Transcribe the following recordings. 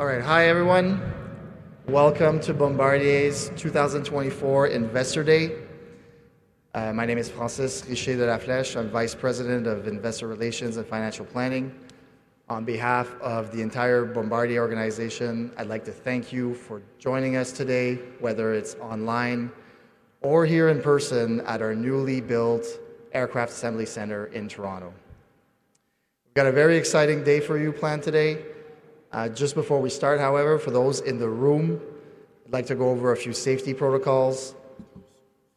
All right. Hi, everyone. Welcome to Bombardier's 2024 Investor Day. My name is Francis Richer de la Flèche. I'm Vice President of Investor Relations and Financial Planning. On behalf of the entire Bombardier organization, I'd like to thank you for joining us today, whether it's online or here in person at our newly built Aircraft Assembly Center in Toronto. We've got a very exciting day for you planned today. Just before we start, however, for those in the room, I'd like to go over a few safety protocols.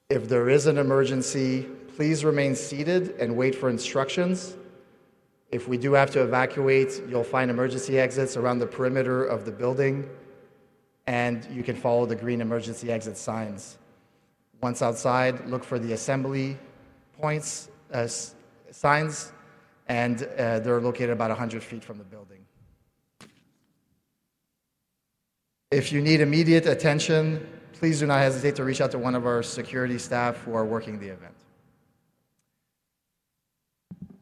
If there is an emergency, please remain seated and wait for instructions. If we do have to evacuate, you'll find emergency exits around the perimeter of the building, and you can follow the green emergency exit signs. Once outside, look for the assembly points, signs, and they're located about 100 feet from the building. If you need immediate attention, please do not hesitate to reach out to one of our security staff who are working the event. In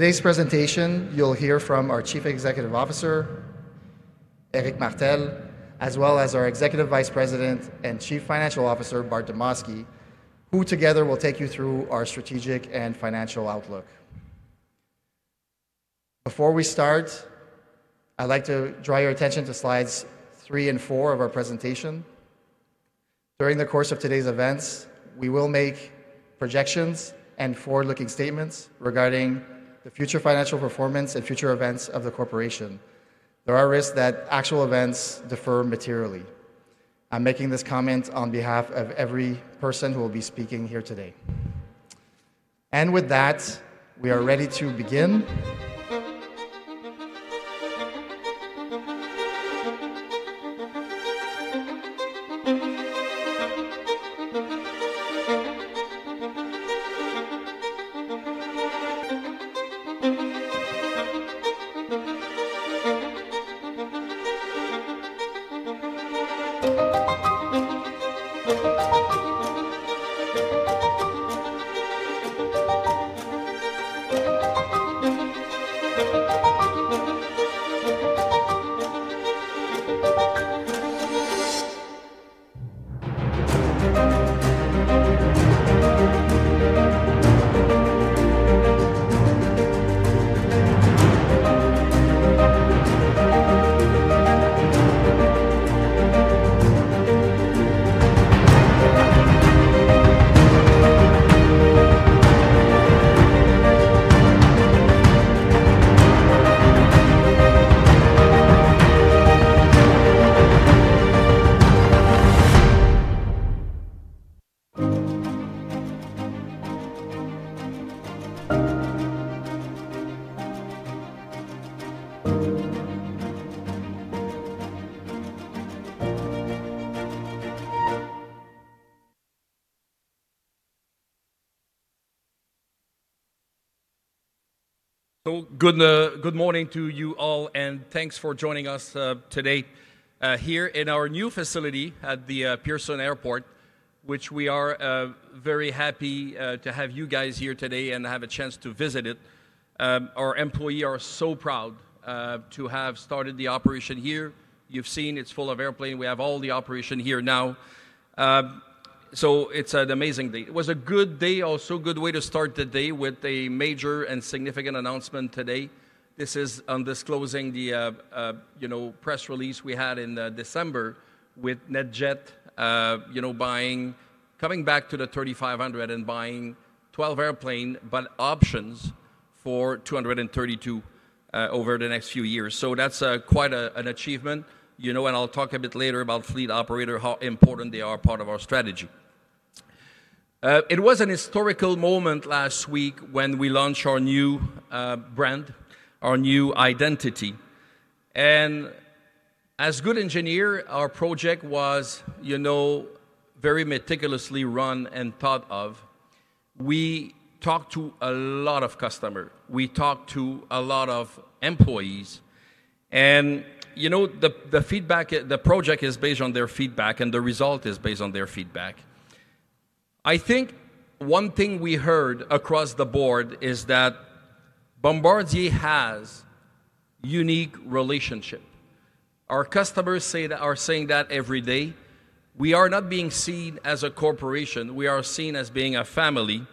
today's presentation, you'll hear from our Chief Executive Officer, Éric Martel, as well as our Executive Vice President and Chief Financial Officer, Bart Demosky, who together will take you through our strategic and financial outlook. Before we start, I'd like to draw your attention to slides three and four of our presentation. During the course of today's events, we will make projections and forward-looking statements regarding the future financial performance and future events of the corporation. There are risks that actual events differ materially. I'm making this comment on behalf of every person who will be speaking here today. With that, we are ready to begin. Good morning to you all, and thanks for joining us today here in our new facility at the Pearson Airport, which we are very happy to have you guys here today and have a chance to visit it. Our employees are so proud to have started the operations here. You've seen it's full of airplanes. We have all the operations here now. So it's an amazing day. It was a good day, also good way to start the day with a major and significant announcement today. This is on disclosing the, you know, press release we had in December with NetJets, you know, buying, coming back to the 3500 and buying 12 airplanes, but options for 232 over the next few years. So that's quite an achievement, you know, and I'll talk a bit later about fleet operator, how important they are part of our strategy. It was an historical moment last week when we launched our new brand, our new identity. And as a good engineer, our project was, you know, very meticulously run and thought of. We talked to a lot of customers. We talked to a lot of employees, and, you know, the feedback, the project is based on their feedback, and the result is based on their feedback. I think one thing we heard across the board is that Bombardier has a unique relationship. Our customers say that-- are saying that every day. We are not being seen as a corporation, we are seen as being a family,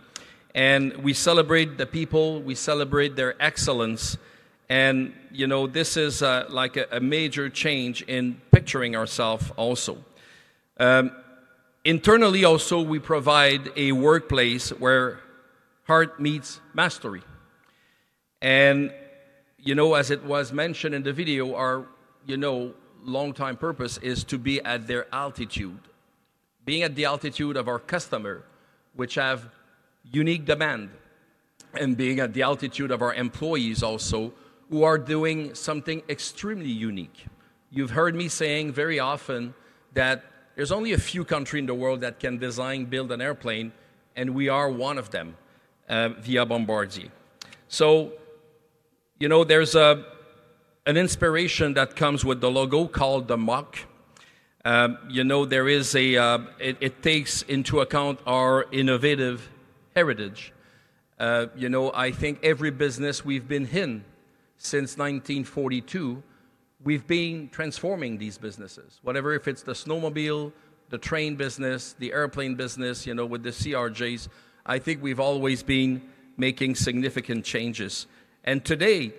and we celebrate the people, we celebrate their excellence, and, you know, this is like a major change in picturing ourselves also. Internally, also, we provide a workplace where heart meets mastery. And, you know, as it was mentioned in the video, our longtime purpose is to be at their altitude. Being at the altitude of our customer, which have unique demand, and being at the altitude of our employees also, who are doing something extremely unique. You've heard me saying very often that there's only a few country in the world that can design, build an airplane, and we are one of them, via Bombardier. So, you know, there's an inspiration that comes with the logo called the Mach.... You know, it takes into account our innovative heritage. You know, I think every business we've been in since 1942, we've been transforming these businesses. Whatever, if it's the snowmobile, the train business, the airplane business, you know, with the CRJs, I think we've always been making significant changes. And today,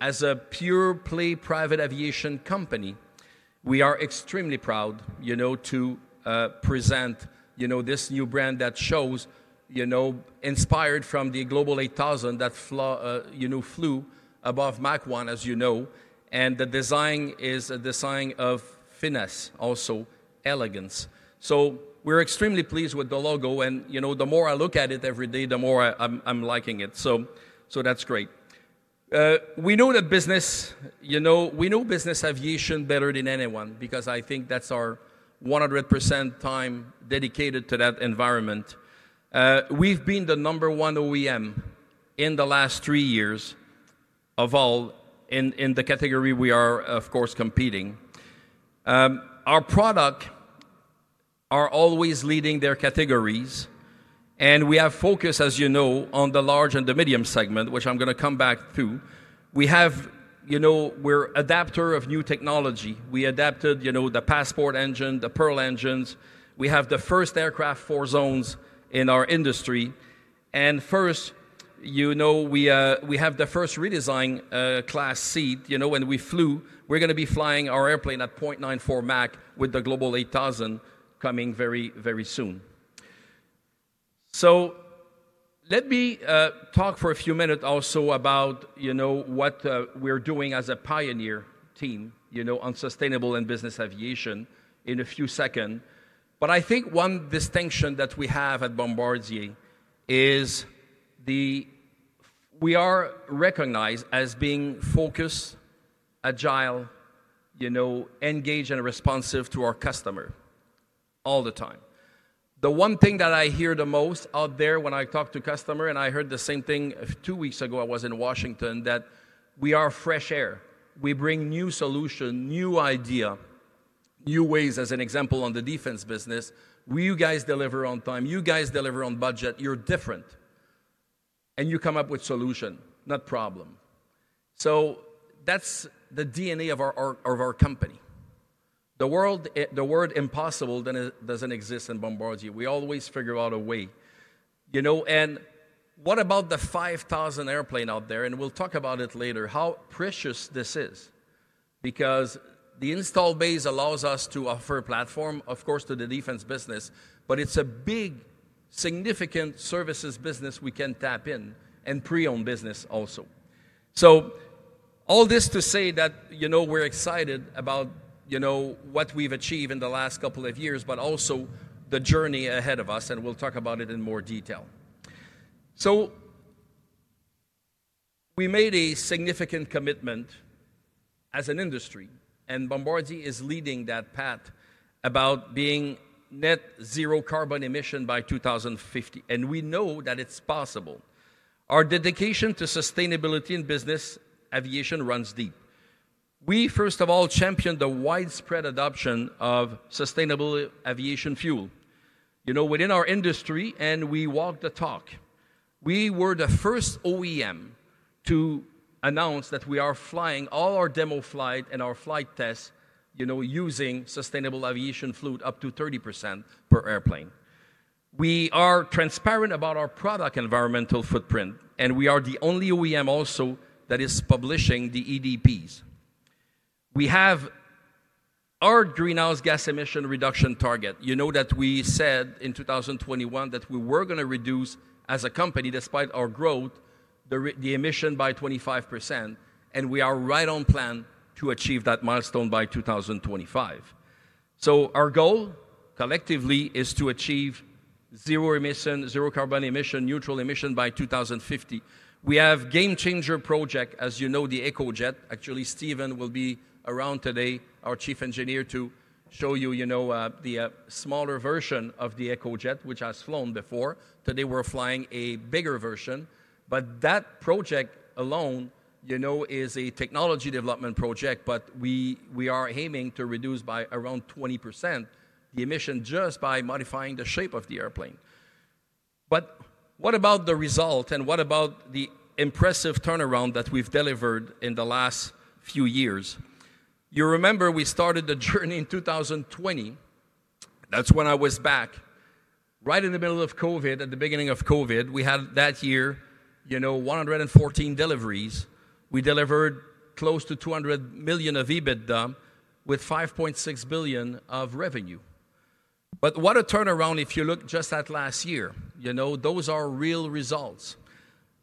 as a purely private aviation company, we are extremely proud, you know, to present, you know, this new brand that shows, you know, inspired from the Global 8000 that flew, you know, above Mach 1, as you know, and the design is a design of finesse, also elegance. So we're extremely pleased with the logo and, you know, the more I look at it every day, the more I'm liking it. So that's great. We know the business—you know, we know business aviation better than anyone because I think that's our 100% time dedicated to that environment. We've been the number one OEM in the last 3 years of all in, in the category we are, of course, competing. Our product are always leading their categories, and we have focused, as you know, on the large and the medium segment, which I'm gonna come back to. We have—you know, we're adopters of new technology. We adapted, you know, the Passport engine, the Pearl engines. We have the first aircraft four zones in our industry, and first, you know, we, we have the first redesigned, class seat, you know, when we flew. We're gonna be flying our airplane at 0.94 Mach with the Global 8000 coming very, very soon. So let me talk for a few minutes also about, you know, what we're doing as a pioneer team, you know, on sustainable and business aviation in a few second. But I think one distinction that we have at Bombardier is the, we are recognized as being focused, agile, you know, engaged, and responsive to our customer all the time. The one thing that I hear the most out there when I talk to customer, and I heard the same thing two weeks ago, I was in Washington, that we are fresh air. We bring new solution, new idea, new ways. As an example, on the defense business, "Well, you guys deliver on time, you guys deliver on budget, you're different, and you come up with solution, not problem." So that's the DNA of our, of our company. The word impossible doesn't exist in Bombardier. We always figure out a way, you know? What about the 5,000 airplanes out there? We'll talk about it later, how precious this is. Because the installed base allows us to offer a platform, of course, to the defense business, but it's a big, significant services business we can tap in and pre-owned business also. So all this to say that, you know, we're excited about, you know, what we've achieved in the last couple of years, but also the journey ahead of us, and we'll talk about it in more detail. So we made a significant commitment as an industry, and Bombardier is leading that path, about being net zero carbon emission by 2050, and we know that it's possible. Our dedication to sustainability and business aviation runs deep. We, first of all, champion the widespread adoption of sustainable aviation fuel, you know, within our industry, and we walk the talk. We were the first OEM to announce that we are flying all our demo flight and our flight tests, you know, using sustainable aviation fuel up to 30% per airplane. We are transparent about our product environmental footprint, and we are the only OEM also that is publishing the EDPs. We have our greenhouse gas emission reduction target. You know that we said in 2021 that we were gonna reduce, as a company, despite our growth, the emission by 25%, and we are right on plan to achieve that milestone by 2025. So our goal, collectively, is to achieve zero emission, zero carbon emission, neutral emission by 2050. We have game changer project, as you know, the EcoJet. Actually, Stephen will be around today, our chief engineer, to show you, you know, the smaller version of the EcoJet, which has flown before. Today, we're flying a bigger version, but that project alone, you know, is a technology development project, but we are aiming to reduce by around 20% the emission just by modifying the shape of the airplane. But what about the result, and what about the impressive turnaround that we've delivered in the last few years? You remember we started the journey in 2020. That's when I was back. Right in the middle of COVID, at the beginning of COVID, we had that year, you know, 114 deliveries. We delivered close to $200 million of EBITDA, with $5.6 billion of revenue. But what a turnaround if you look just at last year, you know, those are real results.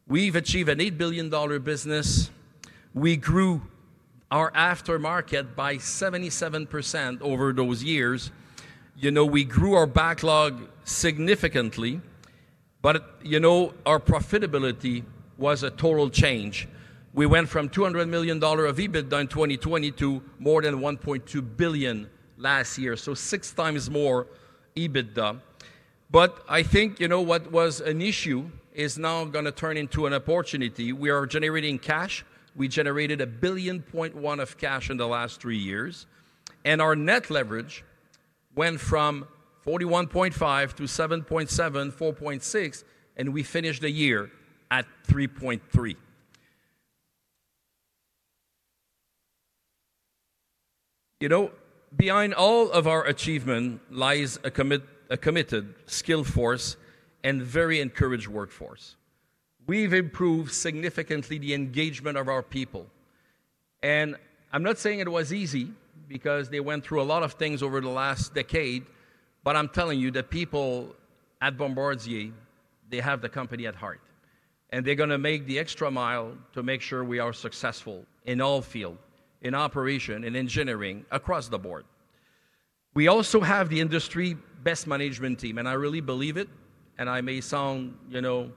We've achieved an $8 billion business. We grew our aftermarket by 77% over those years. You know, we grew our backlog significantly, but, you know, our profitability was a total change. We went from $200 million of EBITDA in 2020 to more than $1.2 billion last year, so six times more EBITDA. But I think, you know, what was an issue is now gonna turn into an opportunity. We are generating cash. We generated $1.1 billion of cash in the last three years, and our net leverage went from 41.5 to 7.7, 4.6, and we finished the year at 3.3. You know, behind all of our achievement lies a committed skilled force and very engaged workforce. We've improved significantly the engagement of our people, and I'm not saying it was easy because they went through a lot of things over the last decade, but I'm telling you, the people at Bombardier, they have the company at heart, and they're gonna make the extra mile to make sure we are successful in all fields, in operations, in engineering, across the board. We also have the industry best management team, and I really believe it, and I may sound, you know...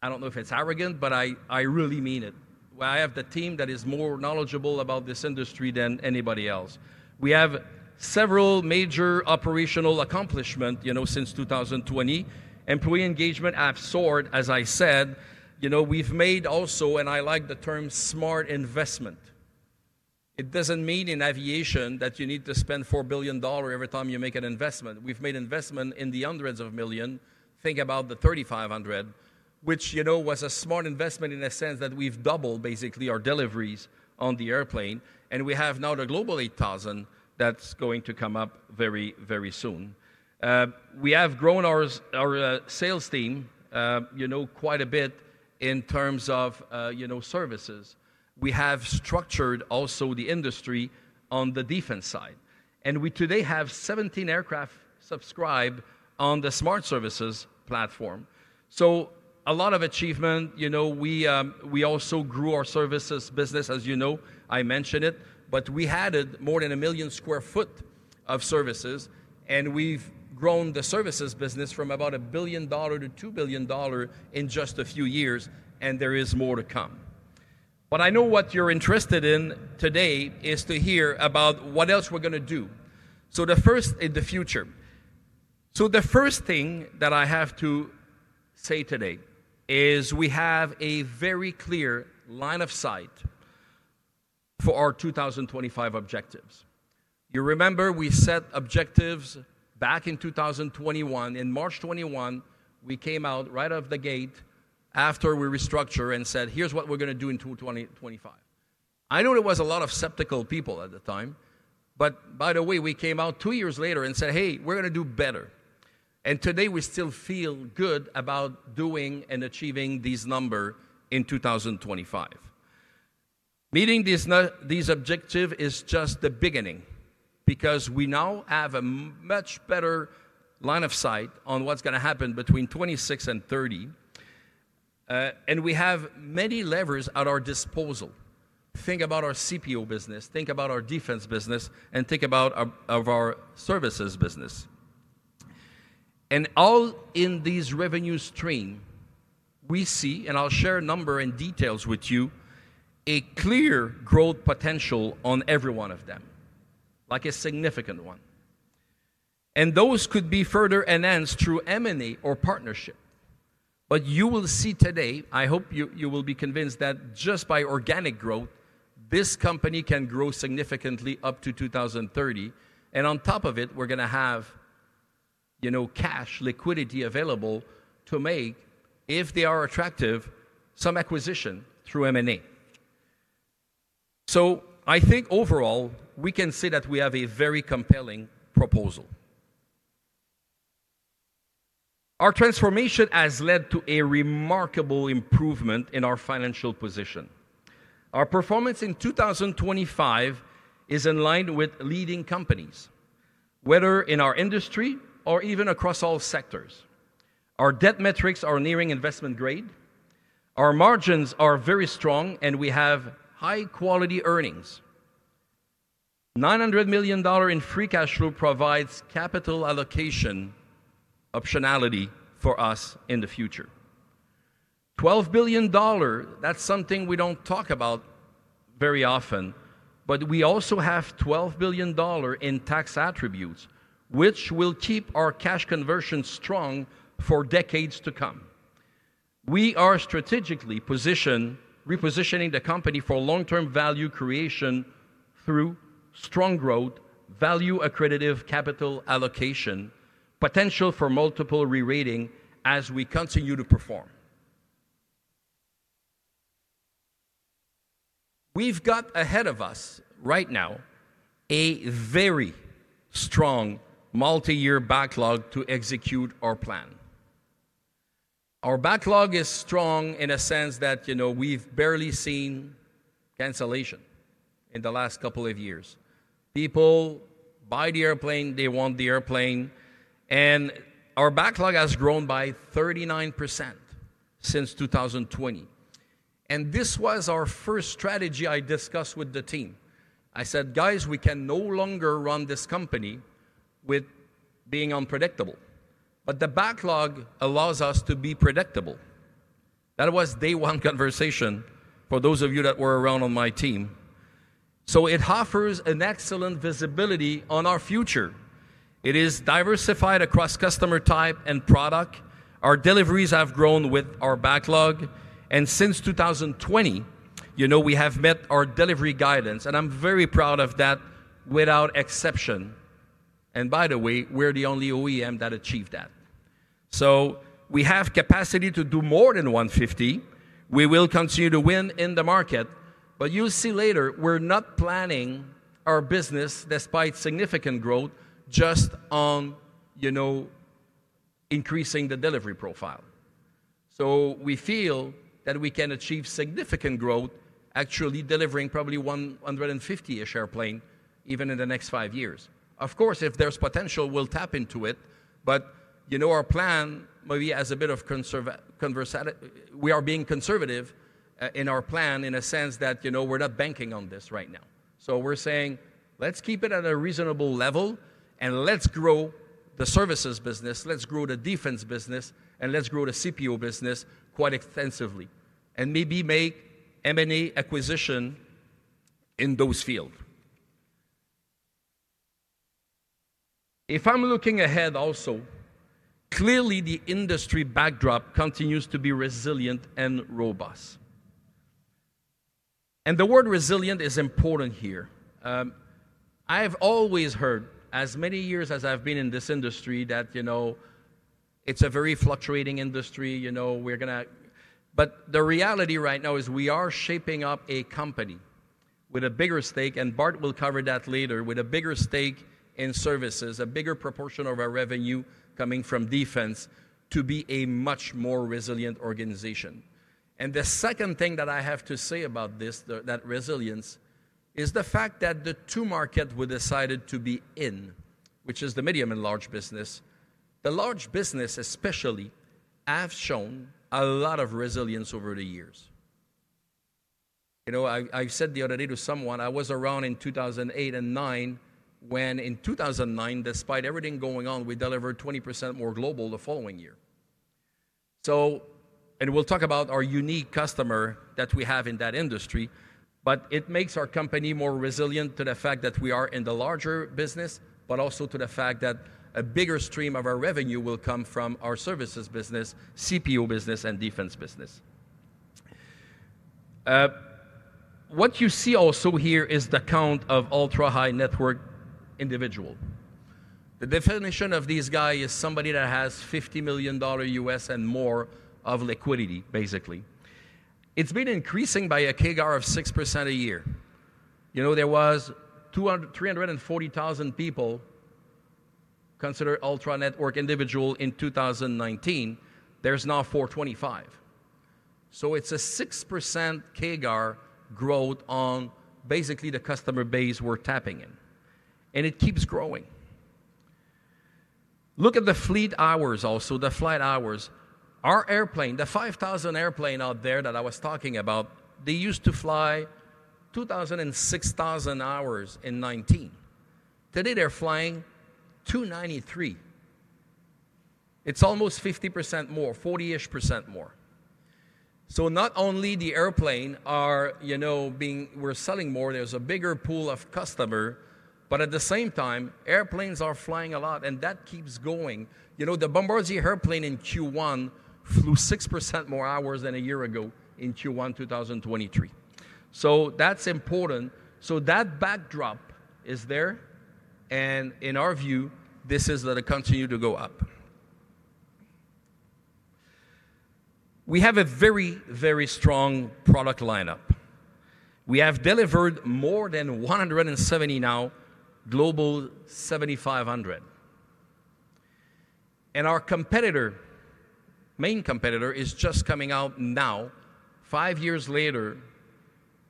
I don't know if it's arrogant, but I really mean it. Well, I have the team that is more knowledgeable about this industry than anybody else. We have several major operational accomplishments, you know, since 2020. Employee engagement has soared, as I said. You know, we've made also, and I like the term, smart investment. It doesn't mean in aviation that you need to spend $4 billion every time you make an investment. We've made investment in the hundreds of millions. Think about the 3,500, which, you know, was a smart investment in a sense that we've doubled basically our deliveries on the airplane, and we have now the Global 8000 that's going to come up very, very soon. We have grown our sales team, you know, quite a bit in terms of, you know, services. We have structured also the industry on the defense side, and we today have 17 aircraft subscribed on the Smart Services platform. So a lot of achievement. You know, we also grew our services business, as you know. I mentioned it, but we had it more than 1 million sq ft of services, and we've grown the services business from about $1 to 2 billion in just a few years, and there is more to come. But I know what you're interested in today is to hear about what else we're gonna do. So the first thing that I have to say today is we have a very clear line of sight for our 2025 objectives. You remember we set objectives back in 2021. In March 2021, we came out right out of the gate after we restructure and said, "Here's what we're gonna do in 2025." I know there was a lot of skeptical people at the time, but by the way, we came out two years later and said, "Hey, we're gonna do better." And today, we still feel good about doing and achieving these number in 2025. Meeting these these objective is just the beginning because we now have a much better line of sight on what's gonna happen between 2026 and 2030, and we have many levers at our disposal. Think about our CPO business, think about our defense business, and think about our, of our services business. All in these revenue streams, we see, and I'll share a number and details with you, a clear growth potential on every one of them, like a significant one, and those could be further enhanced through M&A or partnership. But you will see today, I hope you, you will be convinced that just by organic growth, this company can grow significantly up to 2030, and on top of it, we're gonna have, you know, cash liquidity available to make, if they are attractive, some acquisition through M&A. So I think overall, we can say that we have a very compelling proposal. Our transformation has led to a remarkable improvement in our financial position. Our performance in 2025 is in line with leading companies, whether in our industry or even across all sectors. Our debt metrics are nearing investment grade, our margins are very strong, and we have high-quality earnings. $900 million in free cash flow provides capital allocation optionality for us in the future. $12 billion, that's something we don't talk about very often, but we also have $12 billion in tax attributes, which will keep our cash conversion strong for decades to come. We are strategically positioned, repositioning the company for long-term value creation through strong growth, value accretive capital allocation, potential for multiple re-rating as we continue to perform. We've got ahead of us right now a very strong multi-year backlog to execute our plan. Our backlog is strong in a sense that, you know, we've barely seen cancellation in the last couple of years. People buy the airplane, they want the airplane, and our backlog has grown by 39% since 2020. This was our first strategy I discussed with the team. I said, "Guys, we can no longer run this company with being unpredictable." But the backlog allows us to be predictable. That was day one conversation for those of you that were around on my team. So it offers an excellent visibility on our future. It is diversified across customer type and product. Our deliveries have grown with our backlog, and since 2020, you know, we have met our delivery guidance, and I'm very proud of that, without exception. And by the way, we're the only OEM that achieved that. So we have capacity to do more than 150. We will continue to win in the market, but you'll see later, we're not planning our business despite significant growth, just on, you know, increasing the delivery profile. So we feel that we can achieve significant growth, actually delivering probably 150-ish airplanes even in the next five years. Of course, if there's potential, we'll tap into it, but, you know, our plan, maybe as a bit of conservative—we are being conservative in our plan, in a sense that, you know, we're not banking on this right now. So we're saying, "Let's keep it at a reasonable level, and let's grow the services business, let's grow the defense business, and let's grow the CPO business quite extensively, and maybe make M&A acquisitions in those fields." If I'm looking ahead also, clearly the industry backdrop continues to be resilient and robust. And the word resilient is important here. I have always heard, as many years as I've been in this industry, that, you know, it's a very fluctuating industry, you know, we're gonna. But the reality right now is we are shaping up a company with a bigger stake, and Bart will cover that later, with a bigger stake in services, a bigger proportion of our revenue coming from defense to be a much more resilient organization. And the second thing that I have to say about this, that resilience, is the fact that the two market we decided to be in, which is the medium and large business, the large business especially, have shown a lot of resilience over the years. You know, I, I said the other day to someone, I was around in 2008 and 2009, when in 2009, despite everything going on, we delivered 20% more global the following year. So, and we'll talk about our unique customer that we have in that industry, but it makes our company more resilient to the fact that we are in the larger business, but also to the fact that a bigger stream of our revenue will come from our services business, CPO business, and defense business. What you see also here is the count of ultra-high-net-worth individual. The definition of this guy is somebody that has $50 million and more of liquidity, basically. It's been increasing by a CAGR of 6% a year. You know, there was 340,000 people considered ultra-high-net-worth individual in 2019. There's now 425,000. So it's a 6% CAGR growth on basically the customer base we're tapping in, and it keeps growing. Look at the fleet hours also, the flight hours. Our airplane, the 5,000 airplane out there that I was talking about, they used to fly 260,000 hours in 2019. Today, they're flying 293,000. It's almost 50% more, 40-ish% more. So not only the airplane are, you know, we're selling more, there's a bigger pool of customer, but at the same time, airplanes are flying a lot, and that keeps going. You know, the Bombardier airplane in Q1 flew 6% more hours than a year ago in Q1 2023. So that's important. So that backdrop is there, and in our view, this is gonna continue to go up. We have a very, very strong product lineup. We have delivered more than 170 now Global 7500. And our competitor, main competitor, is just coming out now, 5 years later,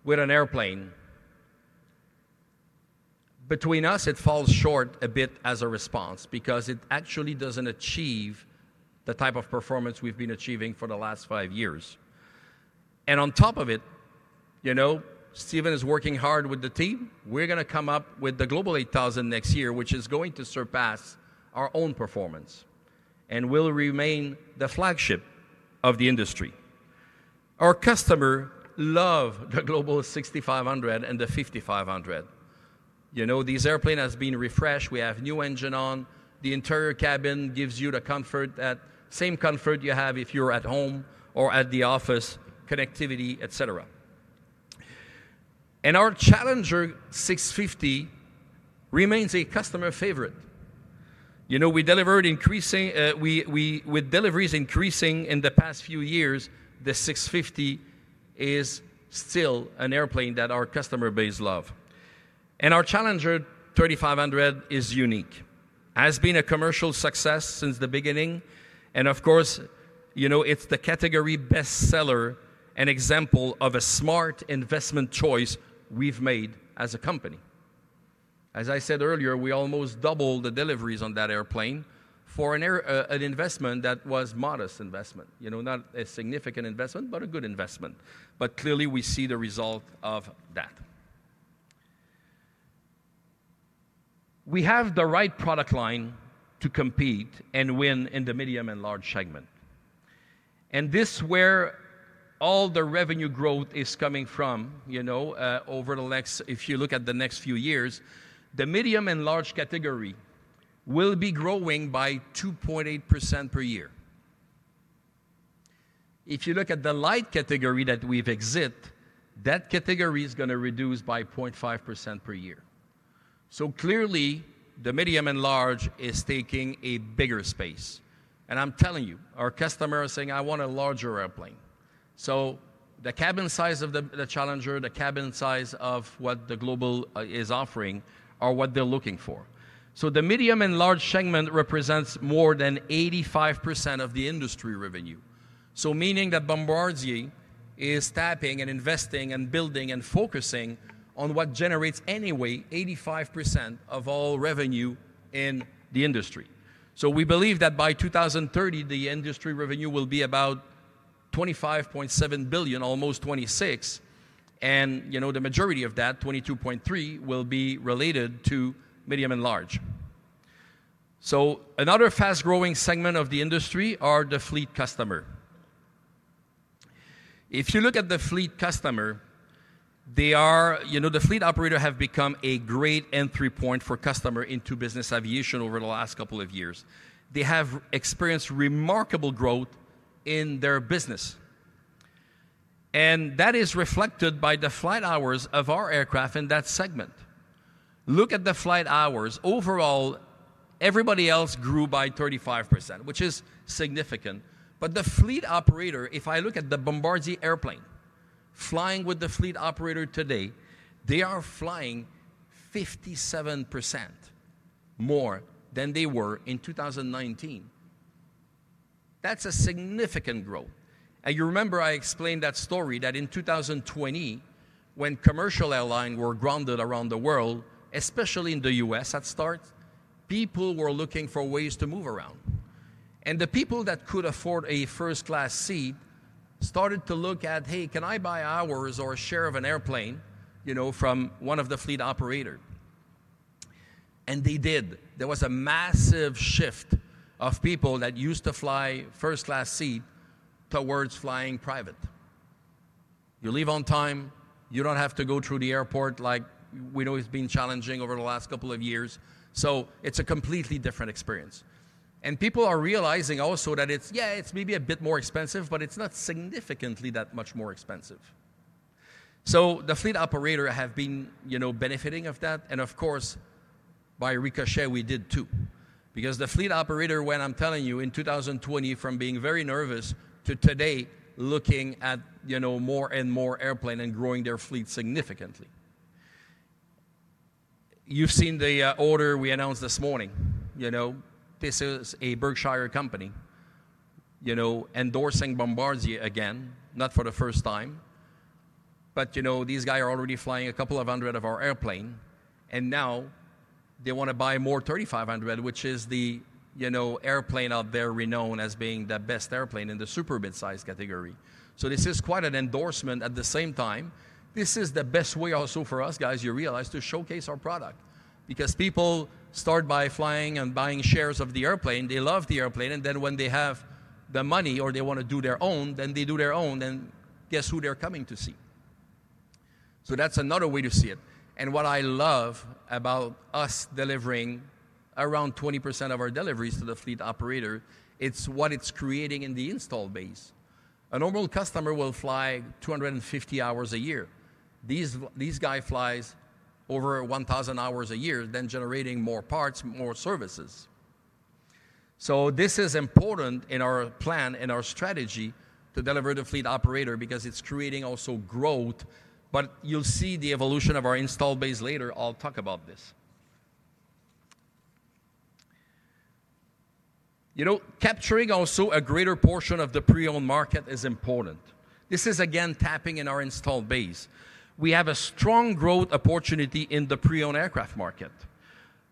with an airplane. Between us, it falls short a bit as a response because it actually doesn't achieve the type of performance we've been achieving for the last 5 years. And on top of it, you know, Steven is working hard with the team. We're gonna come up with the Global 8000 next year, which is going to surpass our own performance and will remain the flagship of the industry. Our customer love the Global 6500 and the 5500. You know, this airplane has been refreshed. We have new engine on. The interior cabin gives you the comfort, that same comfort you have if you're at home or at the office, connectivity, et cetera. And our Challenger 650 remains a customer favorite. You know, with deliveries increasing in the past few years, the 650 is still an airplane that our customer base love. And our Challenger 3500 is unique. Has been a commercial success since the beginning, and of course, you know, it's the category best seller, an example of a smart investment choice we've made as a company. As I said earlier, we almost doubled the deliveries on that airplane for an investment that was modest investment, you know, not a significant investment, but a good investment. But clearly, we see the result of that. We have the right product line to compete and win in the medium and large segment. And this where all the revenue growth is coming from, you know, over the next—if you look at the next few years, the medium and large category will be growing by 2.8% per year. If you look at the light category that we've exit, that category is gonna reduce by 0.5% per year. So clearly, the medium and large is taking a bigger space. And I'm telling you, our customers are saying, "I want a larger airplane." So the cabin size of the, the Challenger, the cabin size of what the Global, is offering, are what they're looking for. So the medium and large segment represents more than 85% of the industry revenue. So meaning that Bombardier is tapping, and investing, and building, and focusing on what generates anyway 85% of all revenue in the industry. So we believe that by 2030, the industry revenue will be about $25.7 billion, almost $26 billion, and, you know, the majority of that, $22.3 billion, will be related to medium and large. So another fast-growing segment of the industry are the fleet customer. If you look at the fleet customer, they are... You know, the fleet operator have become a great entry point for customer into business aviation over the last couple of years. They have experienced remarkable growth in their business, and that is reflected by the flight hours of our aircraft in that segment. Look at the flight hours. Overall, everybody else grew by 35%, which is significant. The fleet operator, if I look at the Bombardier airplane flying with the fleet operator today, they are flying 57% more than they were in 2019. That's a significant growth. You remember I explained that story that in 2020, when commercial airline were grounded around the world, especially in the US at start, people were looking for ways to move around. The people that could afford a first-class seat started to look at, "Hey, can I buy hours or a share of an airplane, you know, from one of the fleet operator?" They did. There was a massive shift of people that used to fly first-class seat towards flying private. You leave on time, you don't have to go through the airport like we know it's been challenging over the last couple of years. So it's a completely different experience. And people are realizing also that it's, yeah, it's maybe a bit more expensive, but it's not significantly that much more expensive. So the fleet operator have been, you know, benefiting of that, and of course, by ricochet, we did, too. Because the fleet operator, when I'm telling you, in 2020, from being very nervous to today, looking at, you know, more and more airplanes and growing their fleet significantly. You've seen the order we announced this morning. You know, this is a Berkshire company, you know, endorsing Bombardier again, not for the first time, but, you know, these guys are already flying a couple of hundred of our airplanes, and now they wanna buy more 3500, which is the, you know, airplane out there renowned as being the best airplane in the super midsize category. So this is quite an endorsement. At the same time, this is the best way also for us, guys, you realize, to showcase our product. Because people start by flying and buying shares of the airplane, they love the airplane, and then when they have the money or they want to do their own, then they do their own, and guess who they're coming to see? So that's another way to see it. And what I love about us delivering around 20% of our deliveries to the fleet operator, it's what it's creating in the installed base. A normal customer will fly 250 hours a year. These guys fly over 1,000 hours a year, then generating more parts, more services. So this is important in our plan and our strategy to deliver the fleet operator because it's creating also growth, but you'll see the evolution of our installed base later. I'll talk about this. You know, capturing also a greater portion of the pre-owned market is important. This is, again, tapping in our installed base. We have a strong growth opportunity in the pre-owned aircraft market.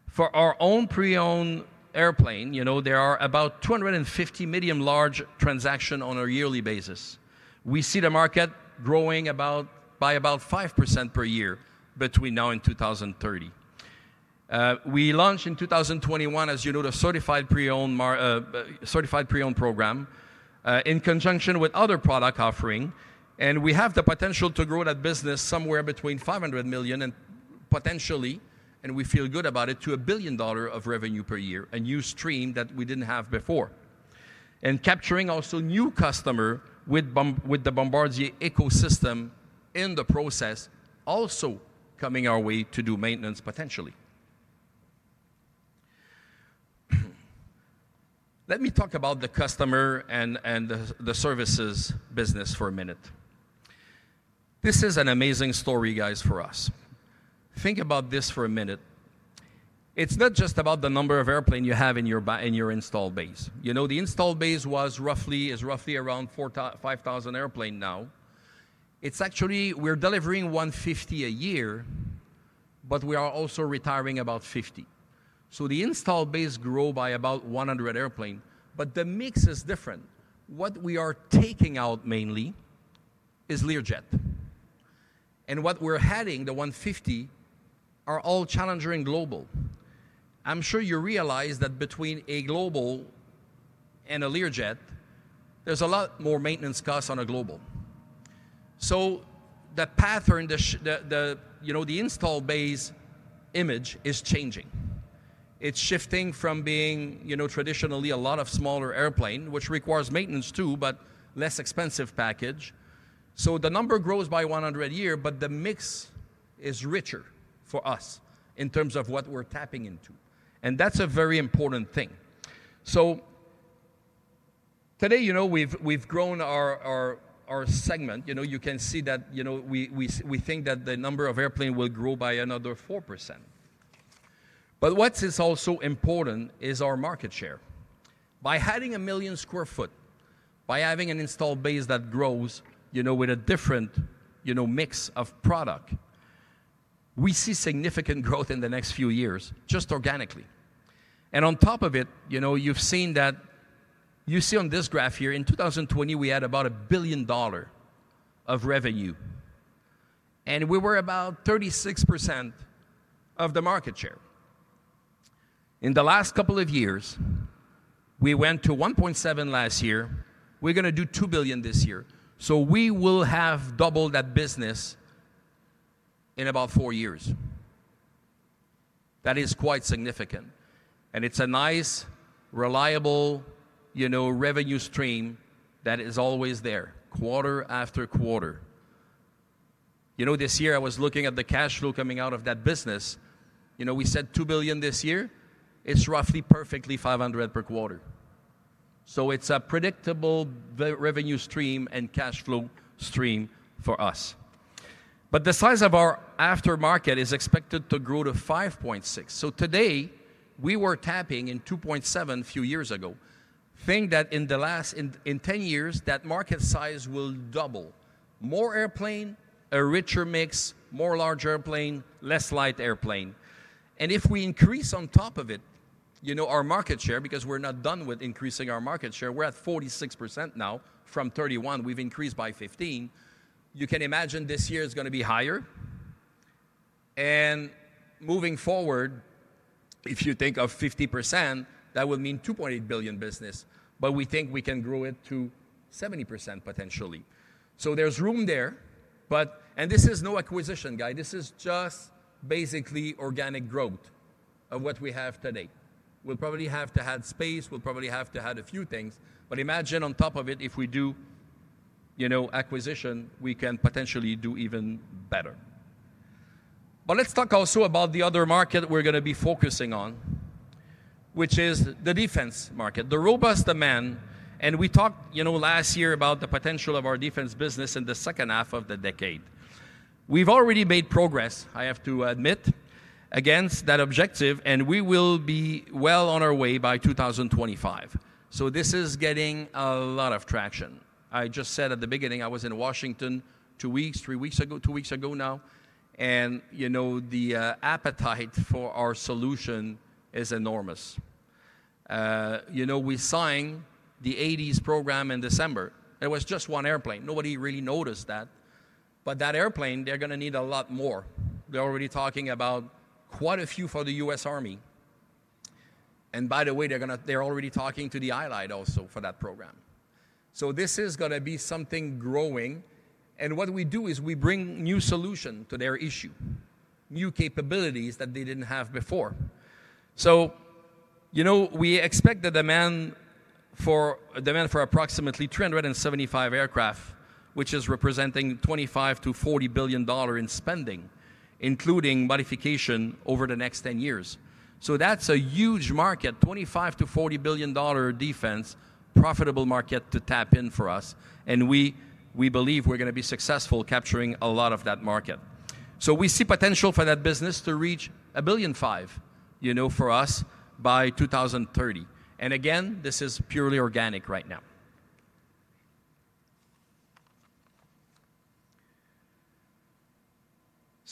For our own pre-owned airplane, you know, there are about 250 medium, large transactions on a yearly basis. We see the market growing by about 5% per year between now and 2030. We launched in 2021, as you know, the certified pre-owned program, in conjunction with other product offering, and we have the potential to grow that business somewhere between $500 million and potentially, and we feel good about it, to $1 billion of revenue per year, a new stream that we didn't have before. And capturing also new customer with the Bombardier ecosystem in the process, also coming our way to do maintenance, potentially. Let me talk about the customer and the services business for a minute. This is an amazing story, guys, for us. Think about this for a minute. It's not just about the number of airplane you have in your installed base. You know, the installed base was roughly, is roughly around 5,000 airplanes now. It's actually... We're delivering 150 a year, but we are also retiring about 50. So the installed base grow by about 100 airplane, but the mix is different. What we are taking out mainly is Learjet. And what we're adding, the 150, are all Challenger and Global. I'm sure you realize that between a Global and a Learjet, there's a lot more maintenance costs on a Global. So the pattern, the, you know, the installed base image is changing. It's shifting from being, you know, traditionally a lot of smaller airplane, which requires maintenance too, but less expensive package. So the number grows by 100 a year, but the mix is richer for us in terms of what we're tapping into, and that's a very important thing. So today, you know, we've grown our segment. You know, you can see that, you know, we think that the number of airplane will grow by another 4%. But what is also important is our market share. By adding 1 million sq ft, by having an installed base that grows, you know, with a different, you know, mix of product, we see significant growth in the next few years, just organically. And on top of it, you know, you've seen that. You see on this graph here, in 2020, we had about $1 billion of revenue, and we were about 36% of the market share. In the last couple of years, we went to $1.7 billion last year. We're gonna do $2 billion this year. So we will have doubled that business in about four years. That is quite significant, and it's a nice, reliable, you know, revenue stream that is always there, quarter after quarter. You know, this year I was looking at the cash flow coming out of that business. You know, we said $2 billion this year, it's roughly perfectly $500 million per quarter. So it's a predictable revenue stream and cash flow stream for us. But the size of our aftermarket is expected to grow to $5.6 billion. So today, we were tapping in $2.7 billion a few years ago. Think that in the last ten years, that market size will double. More airplane, a richer mix, more large airplane, less light airplane. And if we increase on top of it, you know, our market share, because we're not done with increasing our market share, we're at 46% now from 31%. We've increased by 15. You can imagine this year it's gonna be higher. Moving forward, if you think of 50%, that would mean $2.8 billion business, but we think we can grow it to 70%, potentially. So there's room there, but... This is no acquisition guy. This is just basically organic growth of what we have today. We'll probably have to add space, we'll probably have to add a few things, but imagine on top of it, if we do, you know, acquisition, we can potentially do even better. But let's talk also about the other market we're gonna be focusing on, which is the defense market, the robust demand. And we talked, you know, last year about the potential of our defense business in the second half of the decade. We've already made progress, I have to admit, against that objective, and we will be well on our way by 2025. So this is getting a lot of traction. I just said at the beginning, I was in Washington two weeks, three weeks ago, two weeks ago now, and, you know, the appetite for our solution is enormous. You know, we signed the HADES program in December. It was just one airplane. Nobody really noticed that, but that airplane, they're gonna need a lot more. They're already talking about quite a few for the US Army, and by the way, they're gonna - they're already talking to the I-Lite also for that program. So this is gonna be something growing, and what we do is we bring new solution to their issue, new capabilities that they didn't have before. So, you know, we expect a demand for approximately 375 aircraft, which is representing $25 to 40 billion in spending, including modification over the next 10 years. So that's a huge market, $25 to 40 billion defense, profitable market to tap in for us, and we believe we're gonna be successful capturing a lot of that market. So we see potential for that business to reach $1.5 billion, you know, for us by 2030. And again, this is purely organic right now.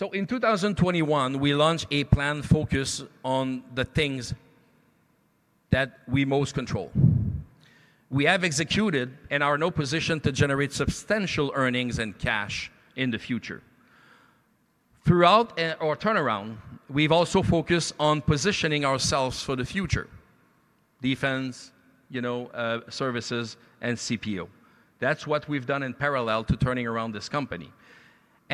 So in 2021, we launched a plan focused on the things that we most control. We have executed and are in a position to generate substantial earnings and cash in the future. Throughout our turnaround, we've also focused on positioning ourselves for the future: defense, you know, services and CPO. That's what we've done in parallel to turning around this company.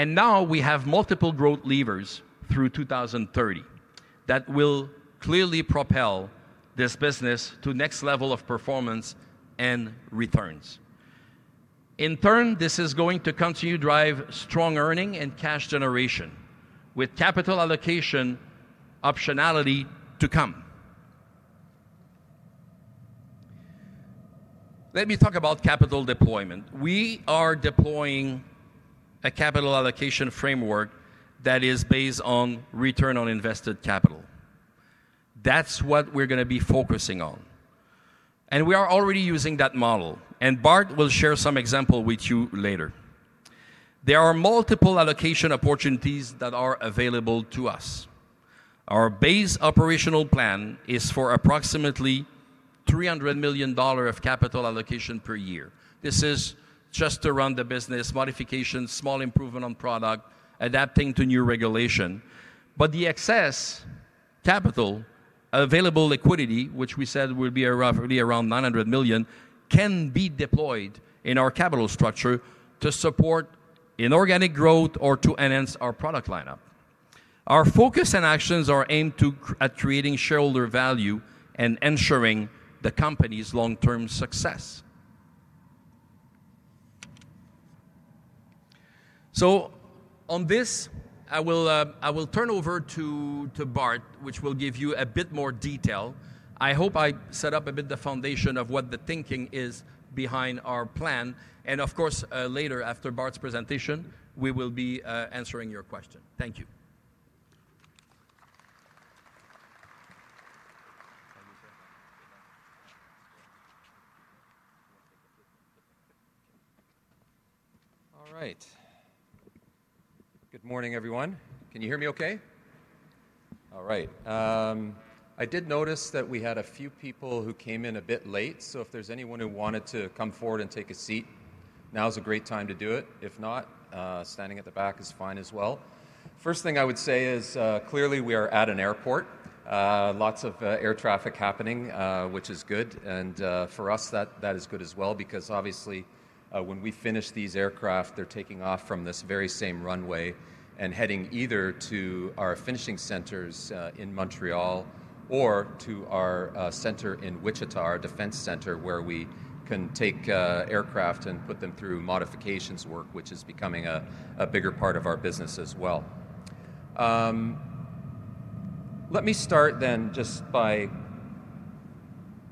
Now we have multiple growth levers through 2030 that will clearly propel this business to next level of performance and returns. In turn, this is going to continue to drive strong earning and cash generation with capital allocation optionality to come. Let me talk about capital deployment. We are deploying a capital allocation framework that is based on return on invested capital. That's what we're gonna be focusing on, and we are already using that model, and Bart will share some example with you later. There are multiple allocation opportunities that are available to us. Our base operational plan is for approximately $300 million of capital allocation per year. This is just to run the business, modifications, small improvement on product, adapting to new regulation. But the excess capital, available liquidity, which we said will be roughly around $900 million, can be deployed in our capital structure to support inorganic growth or to enhance our product lineup. Our focus and actions are aimed at creating shareholder value and ensuring the company's long-term success. So on this, I will turn over to Bart, which will give you a bit more detail. I hope I set up a bit the foundation of what the thinking is behind our plan, and of course, later, after Bart's presentation, we will be answering your question. Thank you. All right. Good morning, everyone. Can you hear me okay? All right. I did notice that we had a few people who came in a bit late, so if there's anyone who wanted to come forward and take a seat, now is a great time to do it. If not, standing at the back is fine as well. First thing I would say is, clearly, we are at an airport. Lots of air traffic happening, which is good, and for us, that, that is good as well, because obviously, when we finish these aircraft, they're taking off from this very same runway and heading either to our finishing centers in Montreal or to our center in Wichita, our defense center, where we can take aircraft and put them through modifications work, which is becoming a bigger part of our business as well. Let me start then just by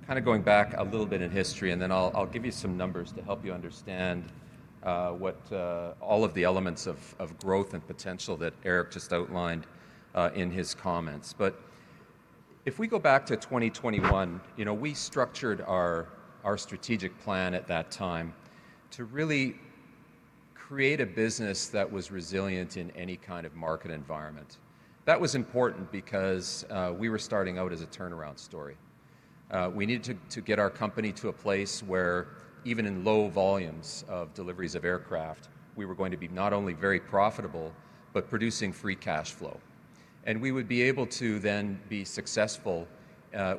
kind of going back a little bit in history, and then I'll, I'll give you some numbers to help you understand what all of the elements of growth and potential that Éric just outlined in his comments. But if we go back to 2021, you know, we structured our, our strategic plan at that time to really create a business that was resilient in any kind of market environment. That was important because, we were starting out as a turnaround story. We needed to, to get our company to a place where even in low volumes of deliveries of aircraft, we were going to be not only very profitable, but producing free cash flow. And we would be able to then be successful,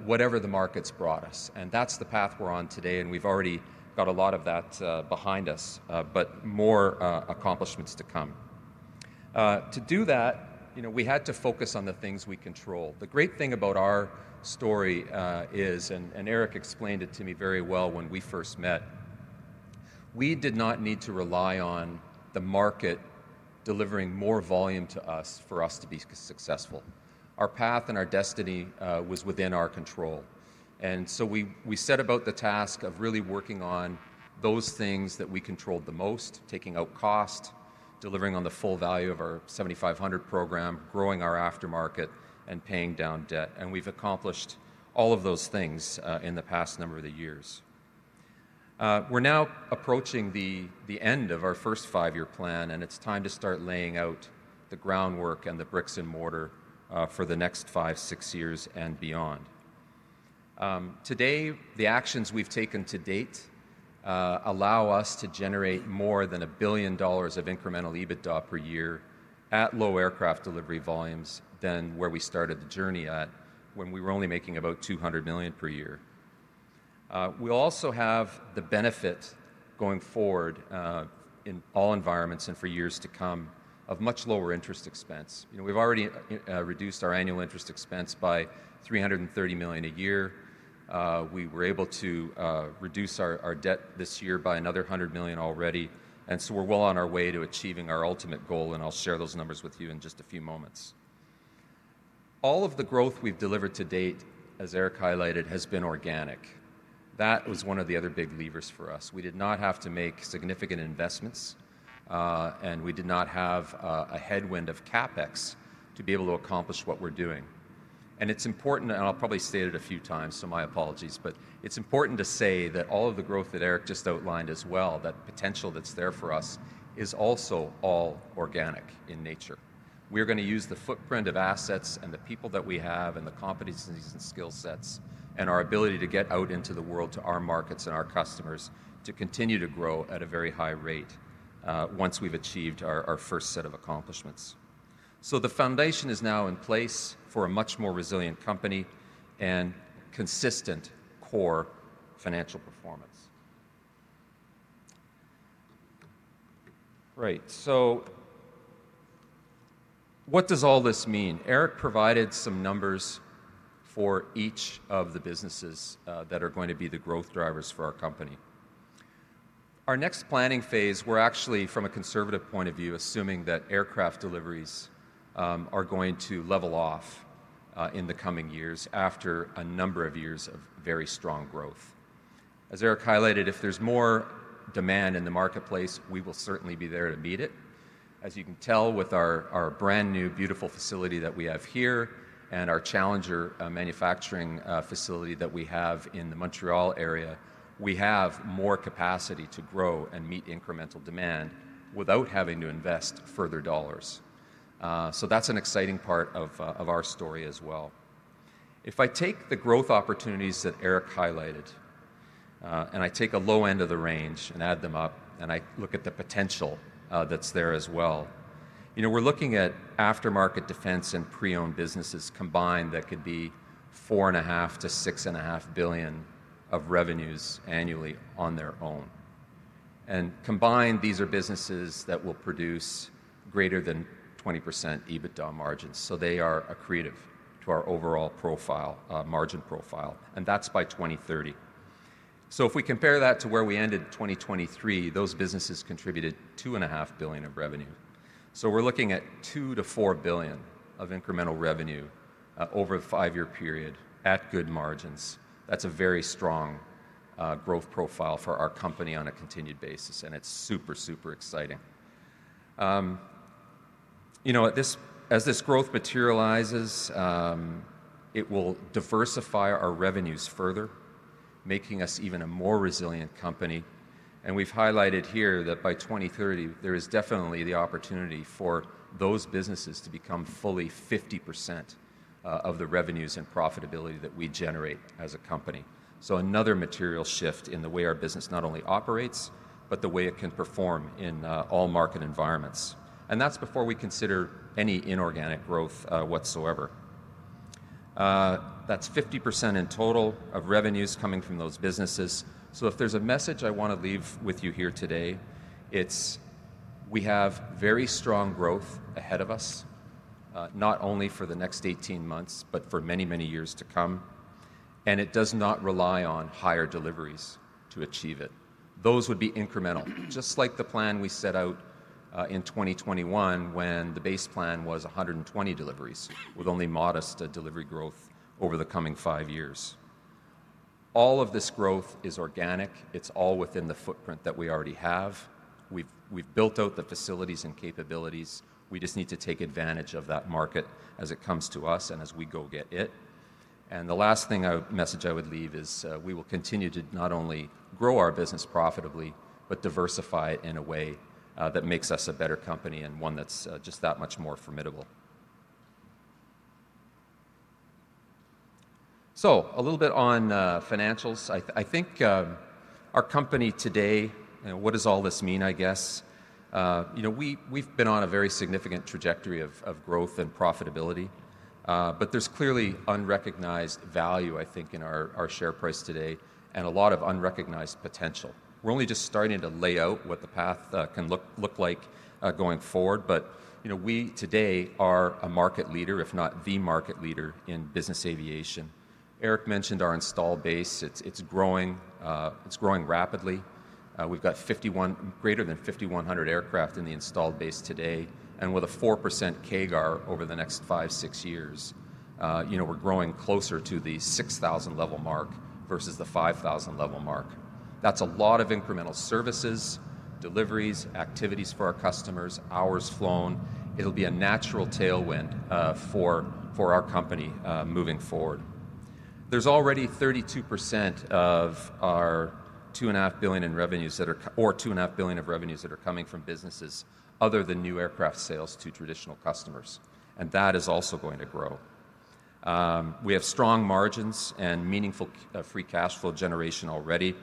whatever the markets brought us, and that's the path we're on today, and we've already got a lot of that, behind us, but more, accomplishments to come. To do that, you know, we had to focus on the things we control. The great thing about our story is, and Éric explained it to me very well when we first met, we did not need to rely on the market delivering more volume to us for us to be successful. Our path and our destiny was within our control. And so we set about the task of really working on those things that we controlled the most, taking out cost, delivering on the full value of our Global 7500 program, growing our aftermarket, and paying down debt. And we've accomplished all of those things in the past number of years. We're now approaching the end of our first five-year plan, and it's time to start laying out the groundwork and the bricks and mortar for the next five, six years and beyond. Today, the actions we've taken to date allow us to generate more than $1 billion of incremental EBITDA per year at low aircraft delivery volumes than where we started the journey at when we were only making about $200 million per year. We also have the benefit going forward, in all environments and for years to come, of much lower interest expense. You know, we've already reduced our annual interest expense by $330 million a year. We were able to reduce our debt this year by another $100 million already, and so we're well on our way to achieving our ultimate goal, and I'll share those numbers with you in just a few moments. All of the growth we've delivered to date, as Éric highlighted, has been organic. That was one of the other big levers for us. We did not have to make significant investments, and we did not have a headwind of CapEx to be able to accomplish what we're doing. And it's important, and I'll probably state it a few times, so my apologies, but it's important to say that all of the growth that Éric just outlined as well, that potential that's there for us, is also all organic in nature. We're going to use the footprint of assets and the people that we have and the competencies and skill sets and our ability to get out into the world, to our markets and our customers, to continue to grow at a very high rate, once we've achieved our first set of accomplishments. So the foundation is now in place for a much more resilient company and consistent core financial performance. Right. So what does all this mean? Éric provided some numbers for each of the businesses that are going to be the growth drivers for our company. Our next planning phase, we're actually, from a conservative point of view, assuming that aircraft deliveries are going to level off in the coming years after a number of years of very strong growth. As Éric highlighted, if there's more demand in the marketplace, we will certainly be there to meet it. As you can tell with our brand-new, beautiful facility that we have here and our Challenger manufacturing facility that we have in the Montreal area, we have more capacity to grow and meet incremental demand without having to invest further dollars. So that's an exciting part of, of our story as well. If I take the growth opportunities that Éric highlighted, and I take a low end of the range and add them up, and I look at the potential, that's there as well, you know, we're looking at aftermarket defense and pre-owned businesses combined that could be $4.5 to 6.5 billion of revenues annually on their own. And combined, these are businesses that will produce greater than 20% EBITDA margins, so they are accretive to our overall profile, margin profile, and that's by 2030. So if we compare that to where we ended 2023, those businesses contributed $2.5 billion of revenue. So we're looking at $2 to 4 billion of incremental revenue, over a 5-year period at good margins. That's a very strong, growth profile for our company on a continued basis, and it's super, super exciting. You know, as this growth materializes, it will diversify our revenues further, making us even a more resilient company. And we've highlighted here that by 2030, there is definitely the opportunity for those businesses to become fully 50%, of the revenues and profitability that we generate as a company. So another material shift in the way our business not only operates, but the way it can perform in, all market environments. And that's before we consider any inorganic growth, whatsoever. That's 50% in total of revenues coming from those businesses. So if there's a message I want to leave with you here today, it's we have very strong growth ahead of us, not only for the next 18 months, but for many, many years to come, and it does not rely on higher deliveries to achieve it. Those would be incremental, just like the plan we set out in 2021, when the base plan was 120 deliveries, with only modest delivery growth over the coming 5 years. All of this growth is organic. It's all within the footprint that we already have. We've built out the facilities and capabilities. We just need to take advantage of that market as it comes to us and as we go get it. The last message I would leave is, we will continue to not only grow our business profitably, but diversify in a way that makes us a better company and one that's just that much more formidable. A little bit on financials. I think our company today, and what does all this mean, I guess? You know, we've been on a very significant trajectory of growth and profitability, but there's clearly unrecognized value, I think, in our share price today and a lot of unrecognized potential. We're only just starting to lay out what the path can look like going forward. You know, we today are a market leader, if not the market leader in business aviation. Éric mentioned our installed base. It's growing rapidly. We've got greater than 5,100 aircraft in the installed base today, and with a 4% CAGR over the next 5-6 years, you know, we're growing closer to the 6,000-level mark versus the 5,000-level mark. That's a lot of incremental services, deliveries, activities for our customers, hours flown. It'll be a natural tailwind for our company moving forward. There's already 32% of our $2.5 billion in revenues that are or $2.5 billion of revenues that are coming from businesses other than new aircraft sales to traditional customers, and that is also going to grow. We have strong margins and meaningful free cash flow generation already,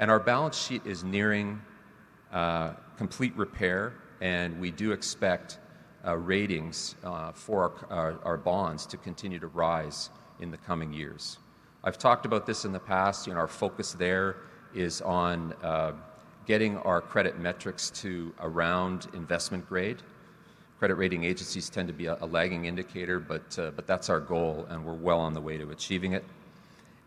and our balance sheet is nearing complete repair, and we do expect ratings for our bonds to continue to rise in the coming years. I've talked about this in the past, you know, our focus there is on getting our credit metrics to around investment grade. Credit rating agencies tend to be a lagging indicator, but that's our goal, and we're well on the way to achieving it.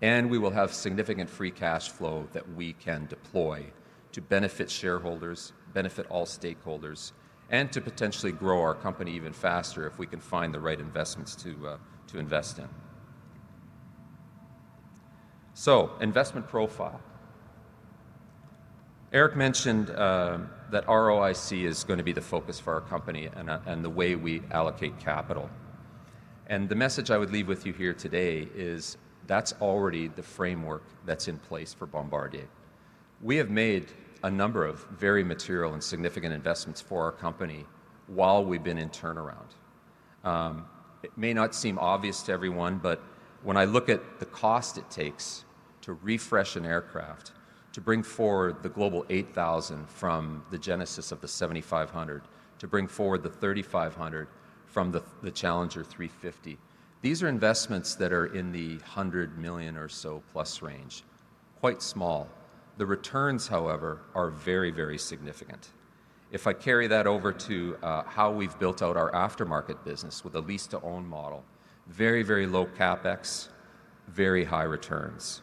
We will have significant free cash flow that we can deploy to benefit shareholders, benefit all stakeholders, and to potentially grow our company even faster if we can find the right investments to invest in. So investment profile. Éric mentioned that ROIC is going to be the focus for our company and and the way we allocate capital. The message I would leave with you here today is that's already the framework that's in place for Bombardier. We have made a number of very material and significant investments for our company while we've been in turnaround. It may not seem obvious to everyone, but when I look at the cost it takes to refresh an aircraft, to bring forward the Global 8000 from the genesis of the 7500, to bring forward the 3500 from the, the Challenger 350, these are investments that are in the $100+ million or so range, quite small. The returns, however, are very, very significant. If I carry that over to how we've built out our aftermarket business with a lease-to-own model, very, very low CapEx, very high returns.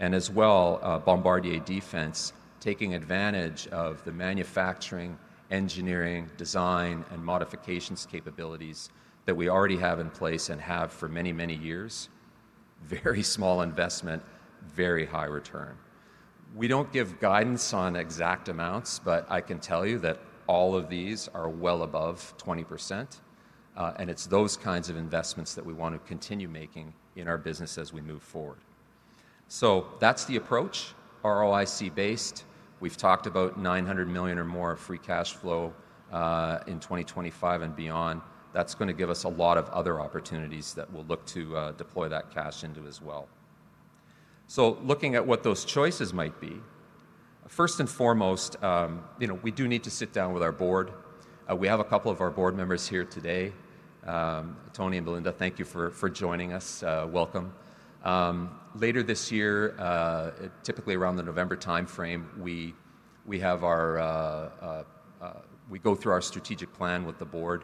And as well, Bombardier Defense taking advantage of the manufacturing, engineering, design, and modifications capabilities that we already have in place and have for many, many years, very small investment, very high return. We don't give guidance on exact amounts, but I can tell you that all of these are well above 20%, and it's those kinds of investments that we want to continue making in our business as we move forward. So that's the approach, ROIC-based. We've talked about $900 million or more of free cash flow in 2025 and beyond. That's going to give us a lot of other opportunities that we'll look to deploy that cash into as well. So looking at what those choices might be, first and foremost, you know, we do need to sit down with our board. We have a couple of our board members here today. Tony and Belinda, thank you for joining us. Welcome. Later this year, typically around the November timeframe, we go through our strategic plan with the board.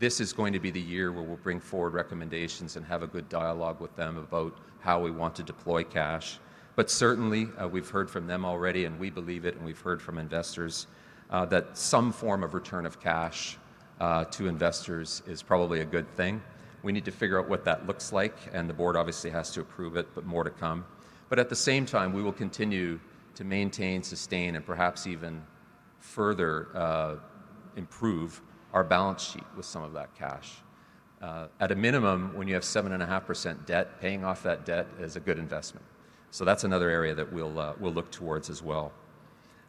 This is going to be the year where we'll bring forward recommendations and have a good dialogue with them about how we want to deploy cash. But certainly, we've heard from them already, and we believe it, and we've heard from investors, that some form of return of cash to investors is probably a good thing. We need to figure out what that looks like, and the board obviously has to approve it, but more to come. But at the same time, we will continue to maintain, sustain, and perhaps even further improve our balance sheet with some of that cash. At a minimum, when you have 7.5% debt, paying off that debt is a good investment. So that's another area that we'll, we'll look towards as well.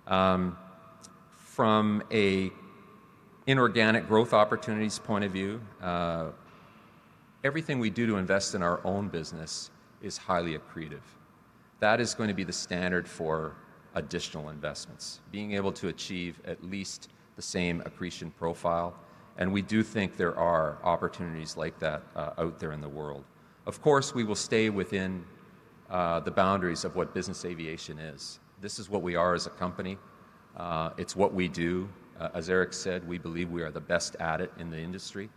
From a inorganic growth opportunities point of view, everything we do to invest in our own business is highly accretive. That is going to be the standard for additional investments, being able to achieve at least the same accretion profile, and we do think there are opportunities like that, out there in the world. Of course, we will stay within the boundaries of what business aviation is. This is what we are as a company. It's what we do. As Éric said, we believe we are the best at it in the industry,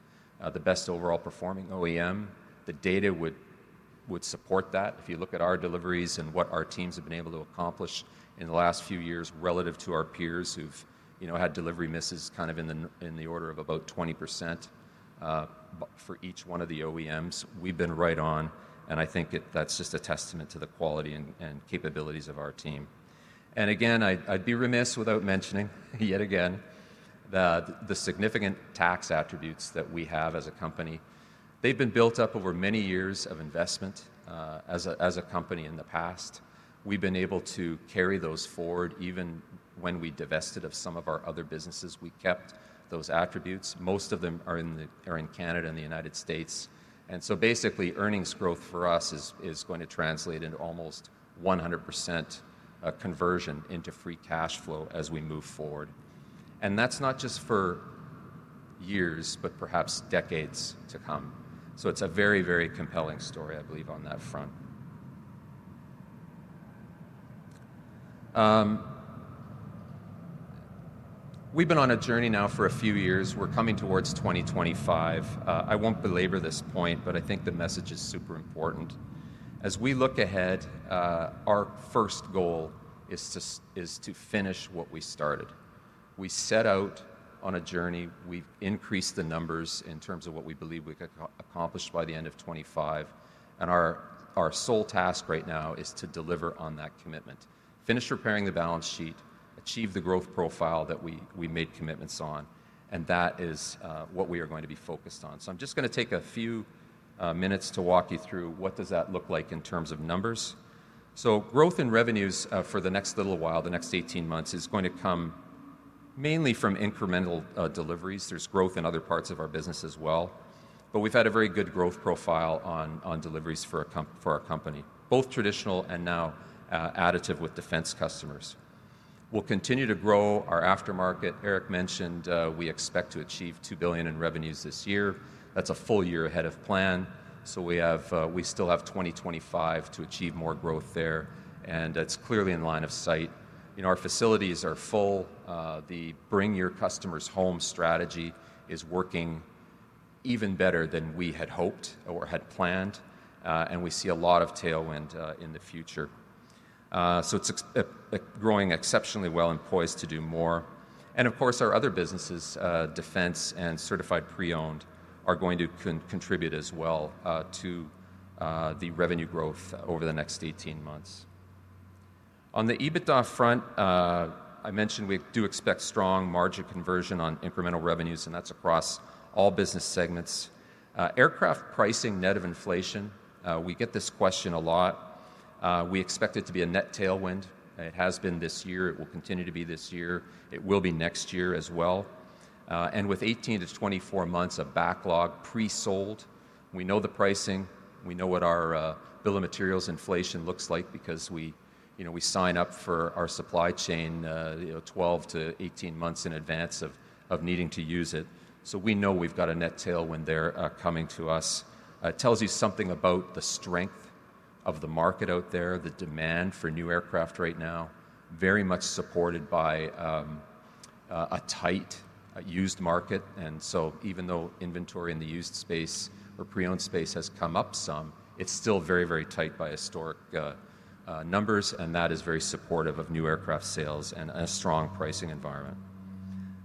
the best overall performing OEM. The data would support that. If you look at our deliveries and what our teams have been able to accomplish in the last few years relative to our peers who've, you know, had delivery misses kind of in the order of about 20%, but for each one of the OEMs, we've been right on, and I think that's just a testament to the quality and capabilities of our team. And again, I'd be remiss without mentioning, yet again, the significant tax attributes that we have as a company. They've been built up over many years of investment, as a company in the past. We've been able to carry those forward, even when we divested of some of our other businesses, we kept those attributes. Most of them are in Canada and the United States. So basically, earnings growth for us is going to translate into almost 100% conversion into free cash flow as we move forward. And that's not just for years, but perhaps decades to come. So it's a very, very compelling story, I believe, on that front. We've been on a journey now for a few years. We're coming towards 2025. I won't belabor this point, but I think the message is super important. As we look ahead, our first goal is to finish what we started. We set out on a journey. We've increased the numbers in terms of what we believe we could accomplish by the end of 2025, and our sole task right now is to deliver on that commitment. Finish repairing the balance sheet, achieve the growth profile that we made commitments on, and that is what we are going to be focused on. So I'm just going to take a few minutes to walk you through what does that look like in terms of numbers. So growth in revenues for the next little while, the next 18 months, is going to come mainly from incremental deliveries. There's growth in other parts of our business as well, but we've had a very good growth profile on deliveries for our company, both traditional and now additive with defense customers. We'll continue to grow our aftermarket. Éric mentioned we expect to achieve $2 billion in revenues this year. That's a full year ahead of plan, so we still have 2025 to achieve more growth there, and that's clearly in line of sight. You know, our facilities are full. The bring your customers home strategy is working even better than we had hoped or had planned, and we see a lot of tailwind in the future. So it's growing exceptionally well and poised to do more. And of course, our other businesses, defense and certified pre-owned, are going to contribute as well to the revenue growth over the next 18 months. On the EBITDA front, I mentioned we do expect strong margin conversion on incremental revenues, and that's across all business segments. Aircraft pricing net of inflation, we get this question a lot. We expect it to be a net tailwind, and it has been this year. It will continue to be this year. It will be next year as well. And with 18 to to 24 months of backlog pre-sold, we know the pricing, we know what our, bill of materials inflation looks like because we, you know, we sign up for our supply chain, you know, 12 to 18 months in advance of, of needing to use it. So we know we've got a net tailwind there, coming to us. It tells you something about the strength of the market out there, the demand for new aircraft right now, very much supported by, a tight, used market. And so even though inventory in the used space or pre-owned space has come up some, it's still very, very tight by historic numbers, and that is very supportive of new aircraft sales and a strong pricing environment.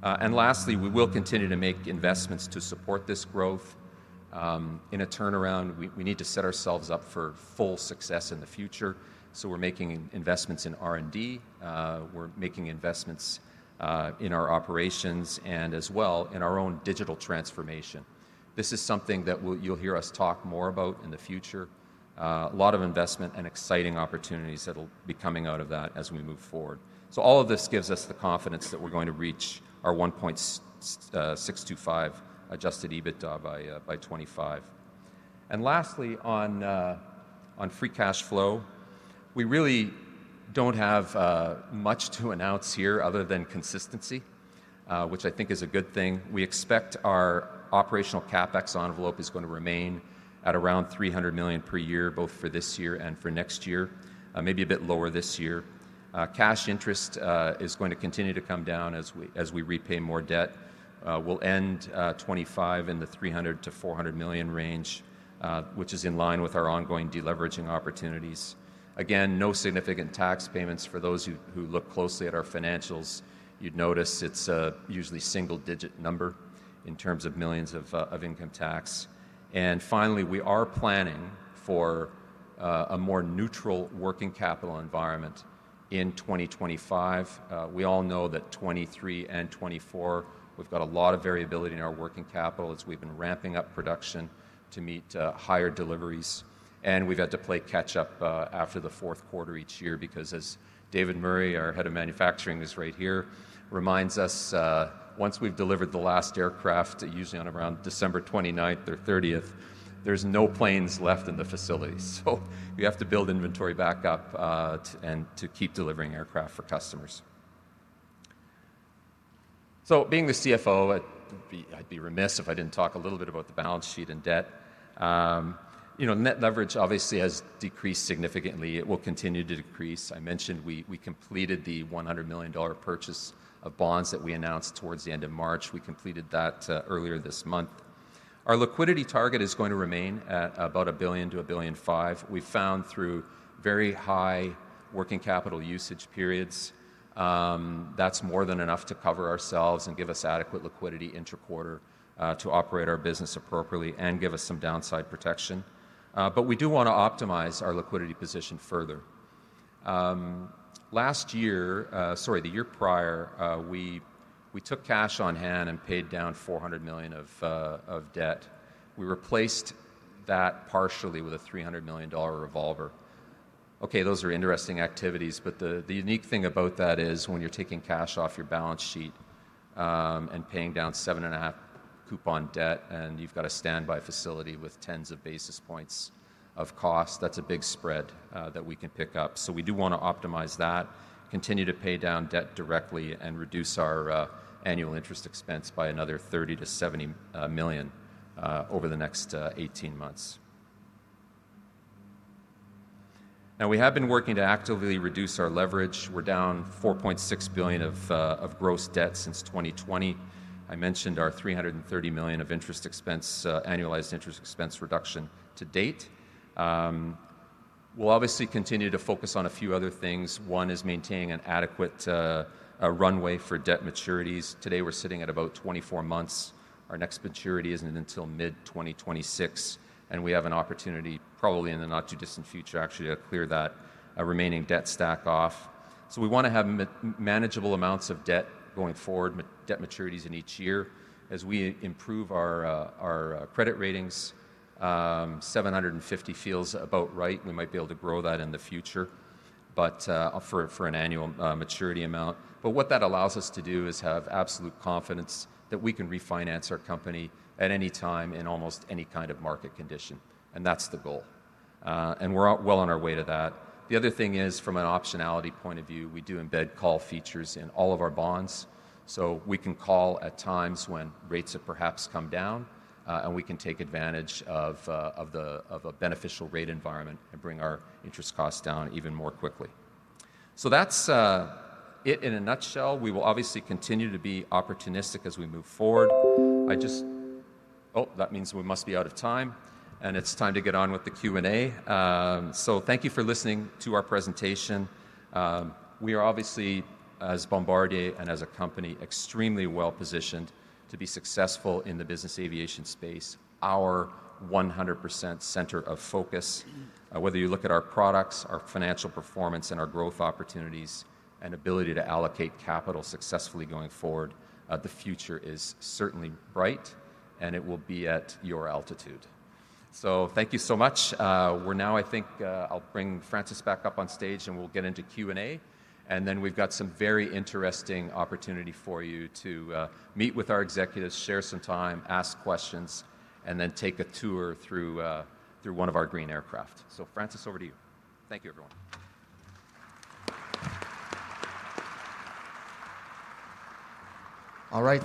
And lastly, we will continue to make investments to support this growth. In a turnaround, we need to set ourselves up for full success in the future, so we're making investments in R&D. We're making investments in our operations, and as well, in our own digital transformation. This is something that you'll hear us talk more about in the future. A lot of investment and exciting opportunities that'll be coming out of that as we move forward. So all of this gives us the confidence that we're going to reach our 1.625 adjusted EBITDA by 2025. And lastly, on free cash flow, we really don't have much to announce here other than consistency, which I think is a good thing. We expect our operational CapEx envelope is going to remain at around $300 million per year, both for this year and for next year, maybe a bit lower this year. Cash interest is going to continue to come down as we repay more debt. We'll end 2025 in the $300 to 400 million range, which is in line with our ongoing deleveraging opportunities. Again, no significant tax payments. For those who look closely at our financials, you'd notice it's a usually single-digit number in terms of millions of income tax. Finally, we are planning for a more neutral working capital environment in 2025. We all know that 2023 and 2024, we've got a lot of variability in our working capital as we've been ramping up production to meet higher deliveries, and we've had to play catch-up after the Q4 each year because, as David Murray, our head of manufacturing, is right here, reminds us, once we've delivered the last aircraft, usually on around December twenty-ninth or thirtieth, there's no planes left in the facility. So we have to build inventory back up, and to keep delivering aircraft for customers. Being the CFO, I'd be remiss if I didn't talk a little bit about the balance sheet and debt. You know, net leverage obviously has decreased significantly. It will continue to decrease. I mentioned we completed the $100 million purchase of bonds that we announced towards the end of March. We completed that earlier this month. Our liquidity target is going to remain at about $1 to 1.5 billion. We found through very high working capital usage periods, that's more than enough to cover ourselves and give us adequate liquidity inter-quarter to operate our business appropriately and give us some downside protection. But we do want to optimize our liquidity position further. Last year, sorry, the year prior, we took cash on hand and paid down $400 million of debt. We replaced that partially with a $300 million revolver. Okay, those are interesting activities, but the unique thing about that is when you're taking cash off your balance sheet, and paying down 7.5 coupon debt, and you've got a standby facility with tens of basis points of cost, that's a big spread that we can pick up. So we do want to optimize that, continue to pay down debt directly, and reduce our annual interest expense by another $30 to 70 million over the next 18 months. Now, we have been working to actively reduce our leverage. We're down $4.6 billion of gross debt since 2020. I mentioned our $330 million of interest expense, annualized interest expense reduction to date. We'll obviously continue to focus on a few other things. One is maintaining an adequate runway for debt maturities. Today, we're sitting at about 24 months. Our next maturity isn't until mid-2026, and we have an opportunity, probably in the not-too-distant future, actually, to clear that remaining debt stack off. So we want to have manageable amounts of debt going forward, debt maturities in each year. As we improve our credit ratings, 750 feels about right. We might be able to grow that in the future, but for an annual maturity amount. But what that allows us to do is have absolute confidence that we can refinance our company at any time in almost any kind of market condition, and that's the goal. And we're well on our way to that. The other thing is, from an optionality point of view, we do embed call features in all of our bonds, so we can call at times when rates have perhaps come down, and we can take advantage of a beneficial rate environment and bring our interest costs down even more quickly. So that's it in a nutshell. We will obviously continue to be opportunistic as we move forward. I just... Oh, that means we must be out of time, and it's time to get on with the Q&A. So thank you for listening to our presentation. We are obviously, as Bombardier and as a company, extremely well-positioned to be successful in the business aviation space, our 100% center of focus. Whether you look at our products, our financial performance, and our growth opportunities and ability to allocate capital successfully going forward, the future is certainly bright, and it will be at your altitude. So thank you so much. We're now. I think, I'll bring Francis back up on stage, and we'll get into Q&A, and then we've got some very interesting opportunity for you to meet with our executives, share some time, ask questions, and then take a tour through one of our green aircraft. So, Francis, over to you. Thank you, everyone. All right.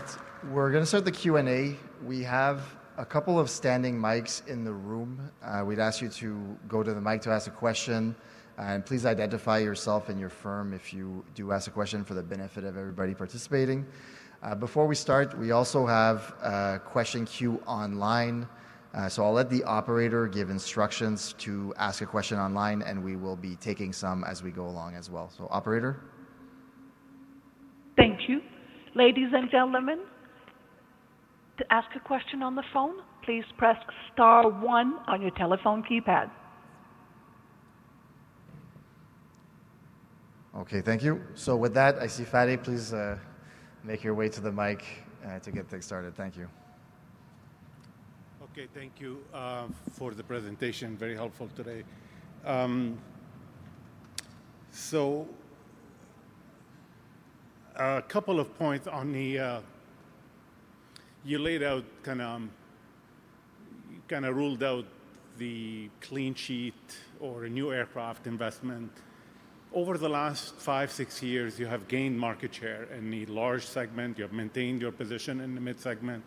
We're going to start the Q&A. We have a couple of standing mics in the room. We'd ask you to go to the mic to ask a question, and please identify yourself and your firm if you do ask a question for the benefit of everybody participating. Before we start, we also have a question queue online, so I'll let the operator give instructions to ask a question online, and we will be taking some as we go along as well. So operator?... Thank you. Ladies and gentlemen, to ask a question on the phone, please press star one on your telephone keypad. Okay, thank you. So with that, I see Fadi. Please, make your way to the mic, to get things started. Thank you. Okay. Thank you for the presentation. Very helpful today. So a couple of points on the kind you laid out. You kind of ruled out the clean sheet or a new aircraft investment. Over the last five, six years, you have gained market share in the large segment. You have maintained your position in the mid segment,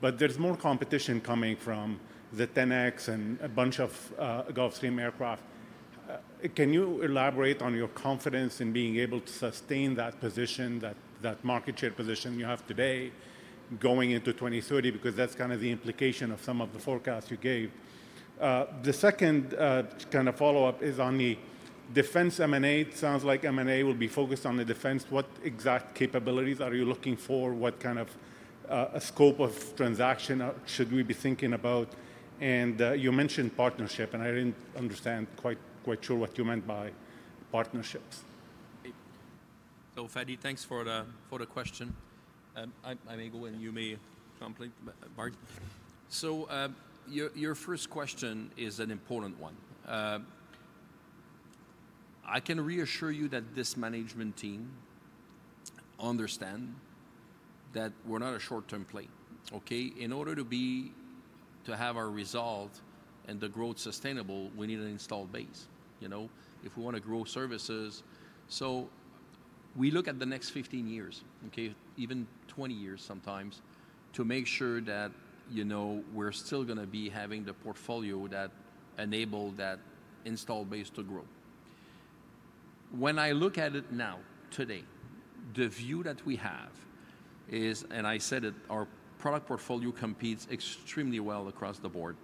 but there's more competition coming from the 10X and a bunch of Gulfstream aircraft. Can you elaborate on your confidence in being able to sustain that position, that, that market share position you have today going into 2030? Because that's kind of the implication of some of the forecasts you gave. The second kind of follow-up is on the defense M&A. It sounds like M&A will be focused on the defense. What exact capabilities are you looking for? What kind of scope of transaction should we be thinking about? And you mentioned partnership, and I didn't understand quite sure what you meant by partnerships. So Fadi, thanks for the question. I may go, and you may complete, Martin. So your first question is an important one. I can reassure you that this management team understand that we're not a short-term play, okay? In order to be to have our result and the growth sustainable, we need an installed base, you know, if we want to grow services. So we look at the next 15 years, okay, even 20 years sometimes, to make sure that, you know, we're still gonna be having the portfolio that enable that installed base to grow. When I look at it now, today, the view that we have is, and I said it, our product portfolio competes extremely well across the board.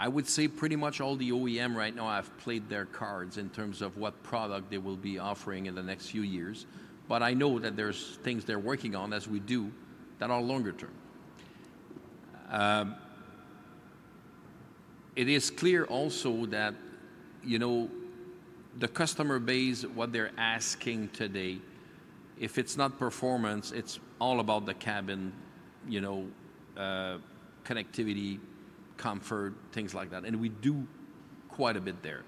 I would say pretty much all the OEM right now have played their cards in terms of what product they will be offering in the next few years, but I know that there's things they're working on, as we do, that are longer term. It is clear also that, you know, the customer base, what they're asking today, if it's not performance, it's all about the cabin, you know, connectivity, comfort, things like that, and we do quite a bit there.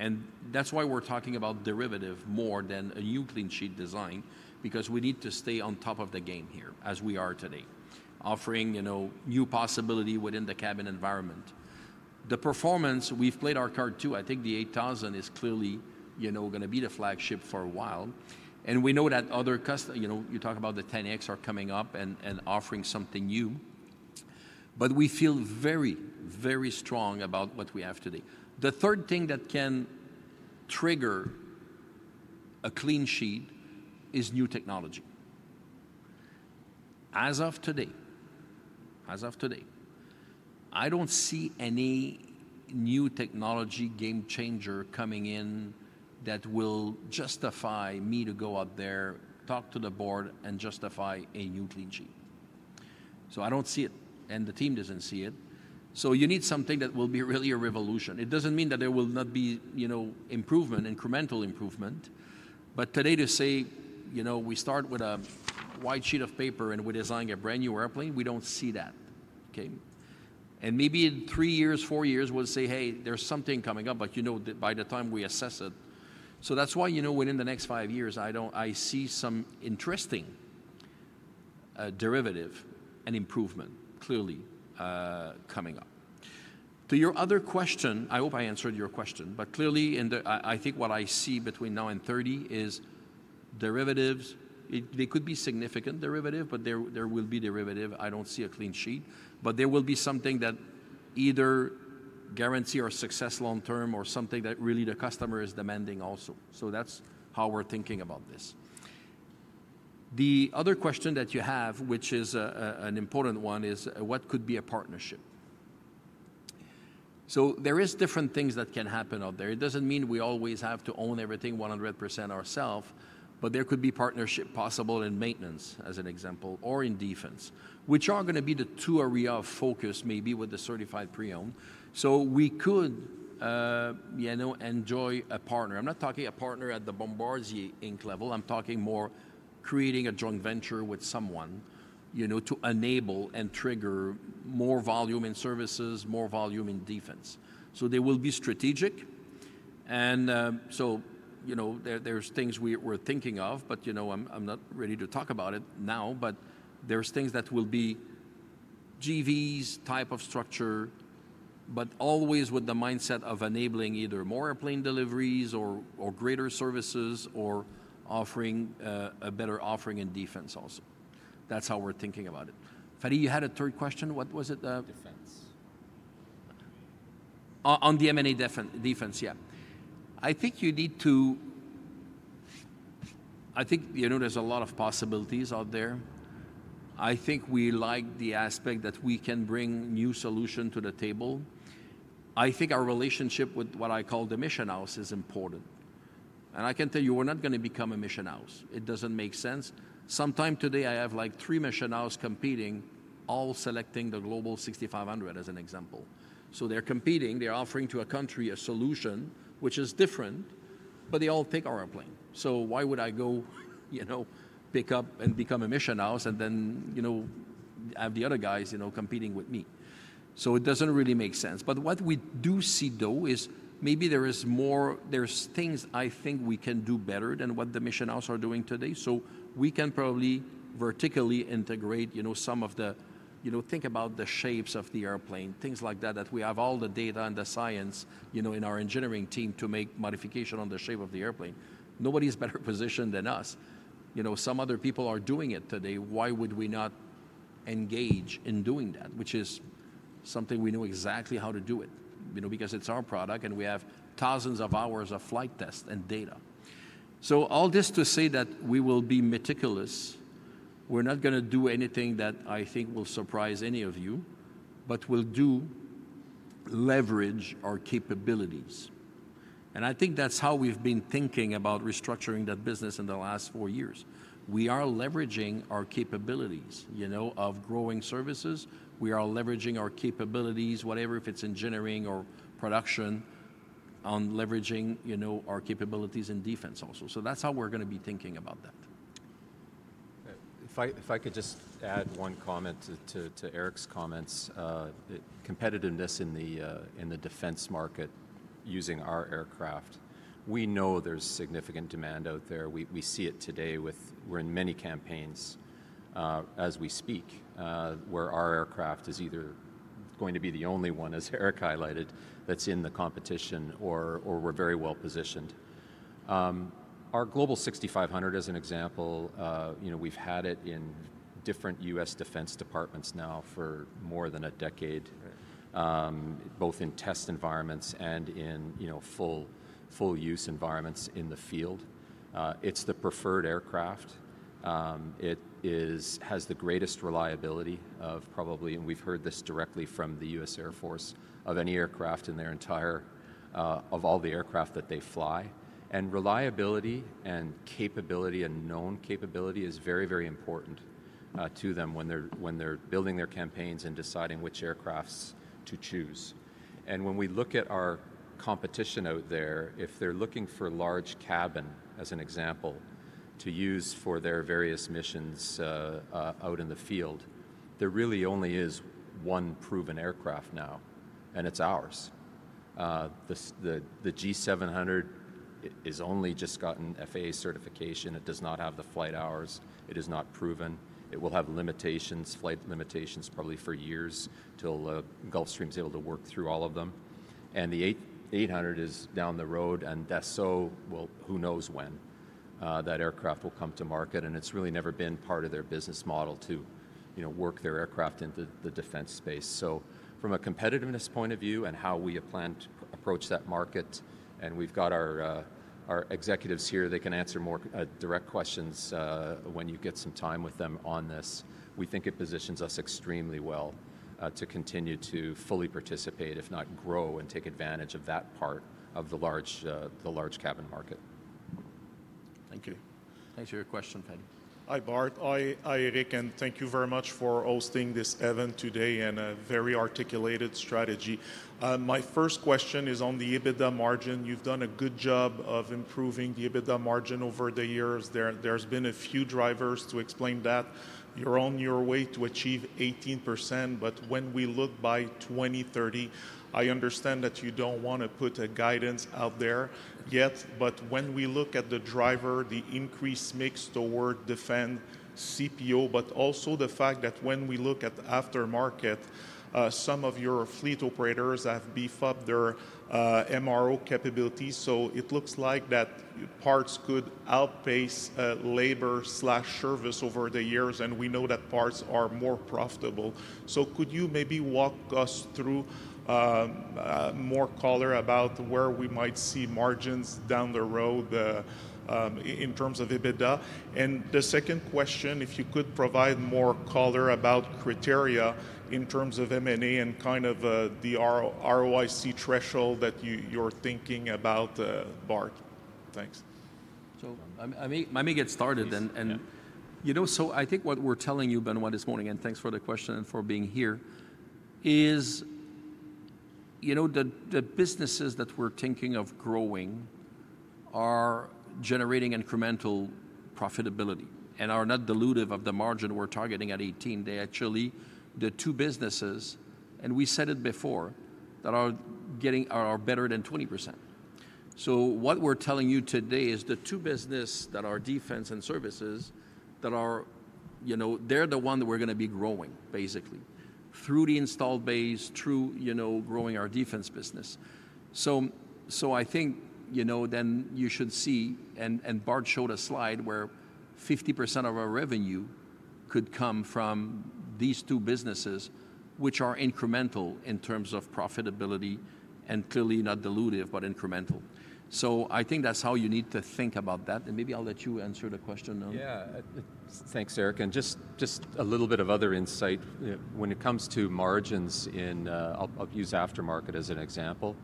And that's why we're talking about derivative more than a new clean sheet design, because we need to stay on top of the game here, as we are today, offering, you know, new possibility within the cabin environment. The performance, we've played our card, too. I think the 8000 is clearly, you know, gonna be the flagship for a while, and we know that other customer... You know, you talk about the Tenax are coming up and, and offering something new, but we feel very, very strong about what we have today. The third thing that can trigger a clean sheet is new technology. As of today, as of today, I don't see any new technology game changer coming in that will justify me to go out there, talk to the board and justify a new clean sheet. So I don't see it, and the team doesn't see it. So you need something that will be really a revolution. It doesn't mean that there will not be, you know, improvement, incremental improvement. But today, to say, you know, we start with a white sheet of paper, and we design a brand-new airplane, we don't see that, okay? Maybe in 3 years, 4 years, we'll say, "Hey, there's something coming up," but you know, by the time we assess it. So that's why, you know, within the next 5 years, I see some interesting, derivative and improvement clearly, coming up. To your other question, I hope I answered your question, but clearly, I think what I see between now and 30 is derivatives. It, they could be significant derivative, but there will be derivative. I don't see a clean sheet, but there will be something that either guarantee our success long term or something that really the customer is demanding also. So that's how we're thinking about this. The other question that you have, which is an important one, is: What could be a partnership? So there is different things that can happen out there. It doesn't mean we always have to own everything 100% ourselves, but there could be partnership possible in maintenance, as an example, or in defense, which are gonna be the two areas of focus, maybe with the certified pre-owned. So we could, you know, enjoy a partner. I'm not talking a partner at the Bombardier Inc. level. I'm talking more creating a joint venture with someone, you know, to enable and trigger more volume in services, more volume in defense. So they will be strategic, and, so, you know, there, there's things we're thinking of, but, you know, I'm not ready to talk about it now. But there's things that will be JVs type of structure, but always with the mindset of enabling either more airplane deliveries or greater services or offering a better offering in defense also. That's how we're thinking about it. Fadi, you had a third question. What was it? Defense. On the M&A defense, yeah. I think you need to... I think, you know, there's a lot of possibilities out there. I think we like the aspect that we can bring new solution to the table. I think our relationship with what I call the mission house is important, and I can tell you, we're not gonna become a mission house. It doesn't make sense. Sometime today, I have, like, three mission house competing, all selecting the Global 6500, as an example. So they're competing. They're offering to a country a solution which is different, but they all take our airplane. So why would I go, you know, pick up and become a mission house, and then, you know, have the other guys, you know, competing with me? So it doesn't really make sense. But what we do see, though, is maybe there's things I think we can do better than what the mission house are doing today. So we can probably vertically integrate, you know, some of the... You know, think about the shapes of the airplane, things like that, that we have all the data and the science, you know, in our engineering team to make modification on the shape of the airplane. Nobody's better positioned than us. You know, some other people are doing it today, why would we not engage in doing that, which is something we know exactly how to do it, you know, because it's our product, and we have thousands of hours of flight test and data. So all this to say that we will be meticulous. We're not gonna do anything that I think will surprise any of you, but we'll do leverage our capabilities, and I think that's how we've been thinking about restructuring that business in the last four years. We are leveraging our capabilities, you know, of growing services. We are leveraging our capabilities, whatever, if it's engineering or production, on leveraging, you know, our capabilities in defense also, so that's how we're gonna be thinking about that. If I could just add one comment to Éric's comments, competitiveness in the defense market using our aircraft, we know there's significant demand out there. We see it today. We're in many campaigns, as we speak, where our aircraft is either going to be the only one, as Éric highlighted, that's in the competition or we're very well-positioned. Our Global 6500, as an example, you know, we've had it in different US defense departments now for more than a decade- Right... both in test environments and in, you know, full use environments in the field. It's the preferred aircraft. It has the greatest reliability of probably, and we've heard this directly from the US Air Force, of any aircraft in their entire, of all the aircraft that they fly. And reliability and capability and known capability is very, very important, to them when they're, when they're building their campaigns and deciding which aircrafts to choose. And when we look at our competition out there, if they're looking for large cabin, as an example, to use for their various missions, out in the field, there really only is one proven aircraft now, and it's ours. The G700, it is only just gotten FAA certification. It does not have the flight hours. It is not proven. It will have limitations, flight limitations, probably for years, till Gulfstream is able to work through all of them. The 800 is down the road. Well, who knows when that aircraft will come to market, and it's really never been part of their business model to, you know, work their aircraft into the defense space. So from a competitiveness point of view and how we have planned to approach that market, and we've got our executives here, they can answer more direct questions when you get some time with them on this, we think it positions us extremely well to continue to fully participate, if not grow and take advantage of that part of the large, the large cabin market. Thank you. Thanks for your question, Fadi. Hi, Bart. Hi, Éric, and thank you very much for hosting this event today and a very articulated strategy. My first question is on the EBITDA margin. You've done a good job of improving the EBITDA margin over the years. There's been a few drivers to explain that. You're on your way to achieve 18%, but when we look by 2030, I understand that you don't want to put a guidance out there yet, but when we look at the driver, the increase mix toward defense CPO, but also the fact that when we look at aftermarket, some of your fleet operators have beefed up their MRO capabilities. So it looks like that parts could outpace labor/service over the years, and we know that parts are more profitable. Could you maybe walk us through more color about where we might see margins down the road in terms of EBITDA? The second question, if you could provide more color about criteria in terms of M&A and kind of the ROIC threshold that you're thinking about, Bart. Thanks. So, I may get started. Please, yeah... you know, so I think what we're telling you, Benoit, this morning, and thanks for the question and for being here, is, you know, the businesses that we're thinking of growing are generating incremental profitability and are not dilutive of the margin we're targeting at 18%. They actually, the two businesses, and we said it before, that are better than 20%. So what we're telling you today is the two businesses that are defense and services, that are, you know, they're the one that we're gonna be growing, basically, through the installed base, through, you know, growing our defense business. So I think, you know, then you should see, and Bart showed a slide where 50% of our revenue could come from these two businesses, which are incremental in terms of profitability, and clearly not dilutive, but incremental. I think that's how you need to think about that, and maybe I'll let you answer the question now. Yeah. Thanks, Éric, and just a little bit of other insight. When it comes to margins in, I'll use aftermarket as an example.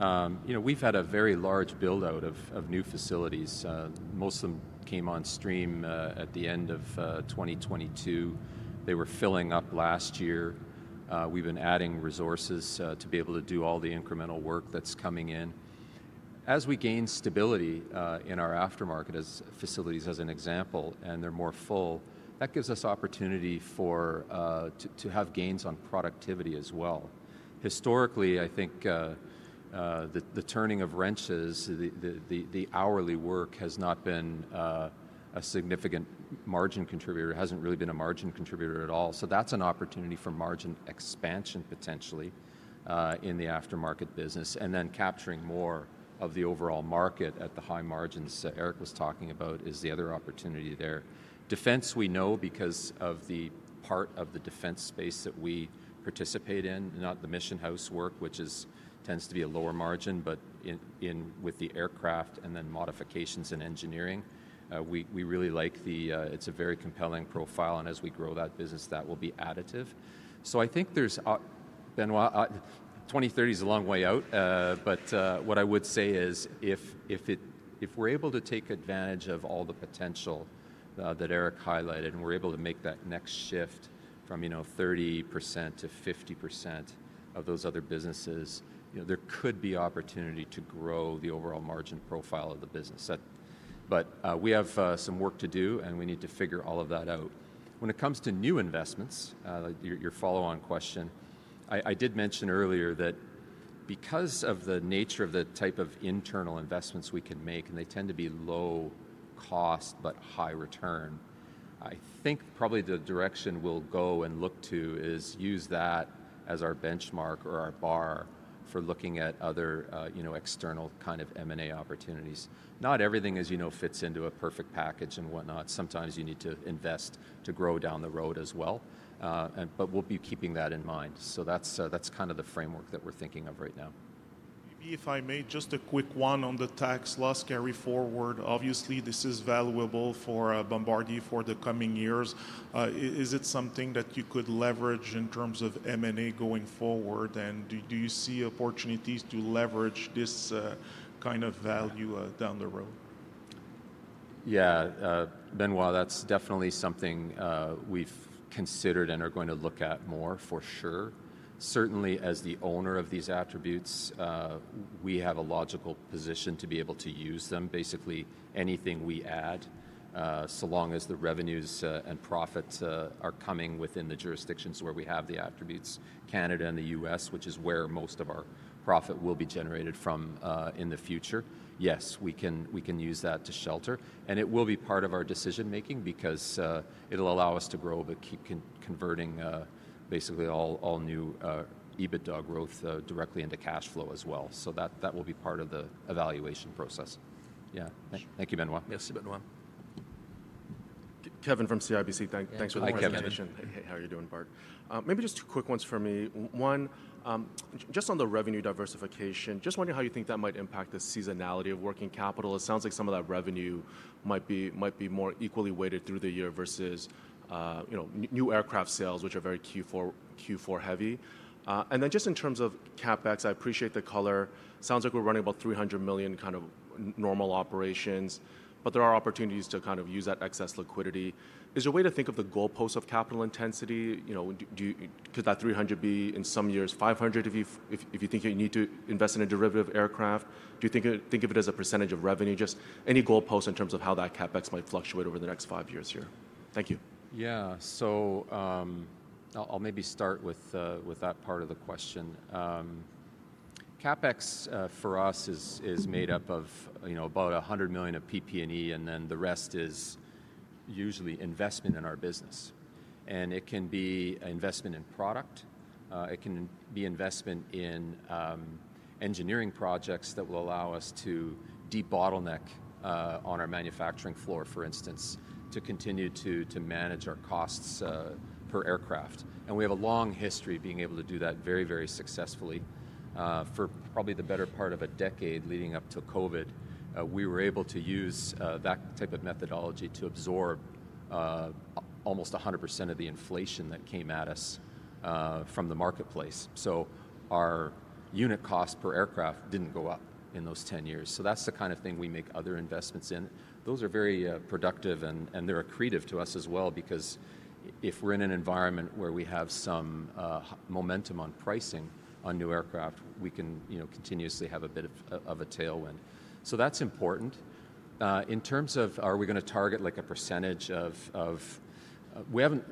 You know, we've had a very large build-out of new facilities. Most of them came on stream at the end of 2022. They were filling up last year. We've been adding resources to be able to do all the incremental work that's coming in. As we gain stability in our aftermarket facilities, as an example, and they're more full, that gives us opportunity to have gains on productivity as well. Historically, I think the turning of wrenches, the hourly work has not been a significant margin contributor. It hasn't really been a margin contributor at all, so that's an opportunity for margin expansion, potentially, in the aftermarket business, and then capturing more of the overall market at the high margins that Éric was talking about is the other opportunity there. Defense, we know because of the part of the defense space that we participate in, not the mission house work, which tends to be a lower margin, but in with the aircraft and then modifications in engineering, we really like the... It's a very compelling profile, and as we grow that business, that will be additive. So I think there's, Benoit, 2030 is a long way out, but what I would say is, if we're able to take advantage of all the potential that Éric highlighted, and we're able to make that next shift from, you know, 30%-50% of those other businesses, you know, there could be opportunity to grow the overall margin profile of the business. But we have some work to do, and we need to figure all of that out. When it comes to new investments, your follow-on question, I did mention earlier that because of the nature of the type of internal investments we can make, and they tend to be low cost but high return, I think probably the direction we'll go and look to is use that as our benchmark or our bar for looking at other, you know, external kind of M&A opportunities. Not everything, as you know, fits into a perfect package and whatnot. Sometimes you need to invest to grow down the road as well. And but we'll be keeping that in mind. So that's kind of the framework that we're thinking of right now. Maybe if I may, just a quick one on the tax loss carry forward. Obviously, this is valuable for Bombardier for the coming years. Is it something that you could leverage in terms of M&A going forward, and do you see opportunities to leverage this kind of value down the road? Yeah, Benoit, that's definitely something we've considered and are going to look at more, for sure. Certainly, as the owner of these attributes, we have a logical position to be able to use them. Basically, anything we add, so long as the revenues and profits are coming within the jurisdictions where we have the attributes, Canada and the US, which is where most of our profit will be generated from, in the future, yes, we can, we can use that to shelter, and it will be part of our decision-making because, it'll allow us to grow but converting, basically all, all new, EBITDA growth, directly into cash flow as well. So that, that will be part of the evaluation process. Yeah. Sure. Thank you, Benoit. Merci, Benoit. Kevin from CIBC. Thanks for the invitation. Hi, Kevin. Hey, how are you doing, Bart? Maybe just two quick ones for me. One, just on the revenue diversification, just wondering how you think that might impact the seasonality of working capital. It sounds like some of that revenue might be, might be more equally weighted through the year versus, you know, new aircraft sales, which are very Q4, Q4 heavy. And then just in terms of CapEx, I appreciate the color. Sounds like we're running about $300 million kind of normal operations, but there are opportunities to kind of use that excess liquidity. Is there a way to think of the goalpost of capital intensity? You know, do, do you... Could that $300 million be, in some years, $500 million if you if, if you think you need to invest in a derivative aircraft? Do you think of it as a percentage of revenue? Just any goalpost in terms of how that CapEx might fluctuate over the next five years here. Thank you. Yeah. So, I'll maybe start with that part of the question. CapEx for us is made up of, you know, about $100 million of PP&E, and then the rest is usually investment in our business, and it can be investment in product, it can be investment in engineering projects that will allow us to de-bottleneck on our manufacturing floor, for instance, to continue to manage our costs per aircraft, and we have a long history of being able to do that very, very successfully. For probably the better part of a decade leading up to COVID, we were able to use that type of methodology to absorb almost 100% of the inflation that came at us from the marketplace. So our unit cost per aircraft didn't go up in those 10 years. So that's the kind of thing we make other investments in. Those are very productive, and they're accretive to us as well because if we're in an environment where we have some momentum on pricing on new aircraft, we can, you know, continuously have a bit of a tailwind. So that's important. In terms of are we gonna target, like, a percentage of... We haven't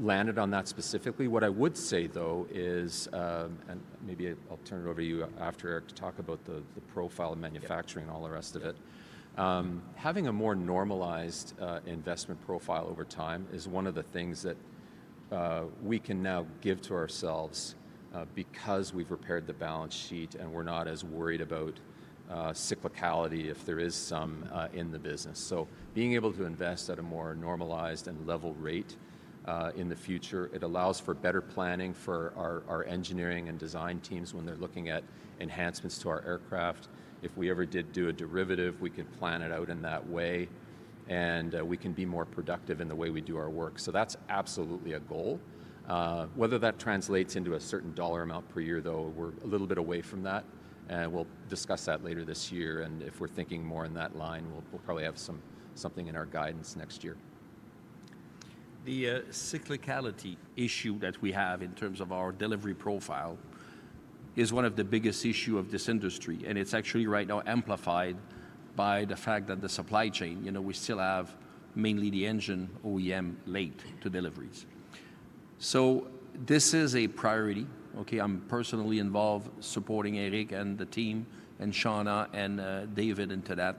landed on that specifically. What I would say, though, is and maybe I'll turn it over to you after, Éric, to talk about the profile of manufacturing- Yeah... and all the rest of it. Having a more normalized investment profile over time is one of the things that we can now give to ourselves because we've repaired the balance sheet, and we're not as worried about cyclicality if there is some in the business. So being able to invest at a more normalized and level rate in the future, it allows for better planning for our engineering and design teams when they're looking at enhancements to our aircraft. If we ever did do a derivative, we could plan it out in that way, and we can be more productive in the way we do our work, so that's absolutely a goal. whether that translates into a certain dollar amount per year, though, we're a little bit away from that, and we'll discuss that later this year, and if we're thinking more in that line, we'll probably have something in our guidance next year. The cyclicality issue that we have in terms of our delivery profile is one of the biggest issue of this industry, and it's actually right now amplified by the fact that the supply chain, you know, we still have mainly the engine OEM late to deliveries. So this is a priority, okay? I'm personally involved supporting Éric, and the team, and Shauna, and David into that.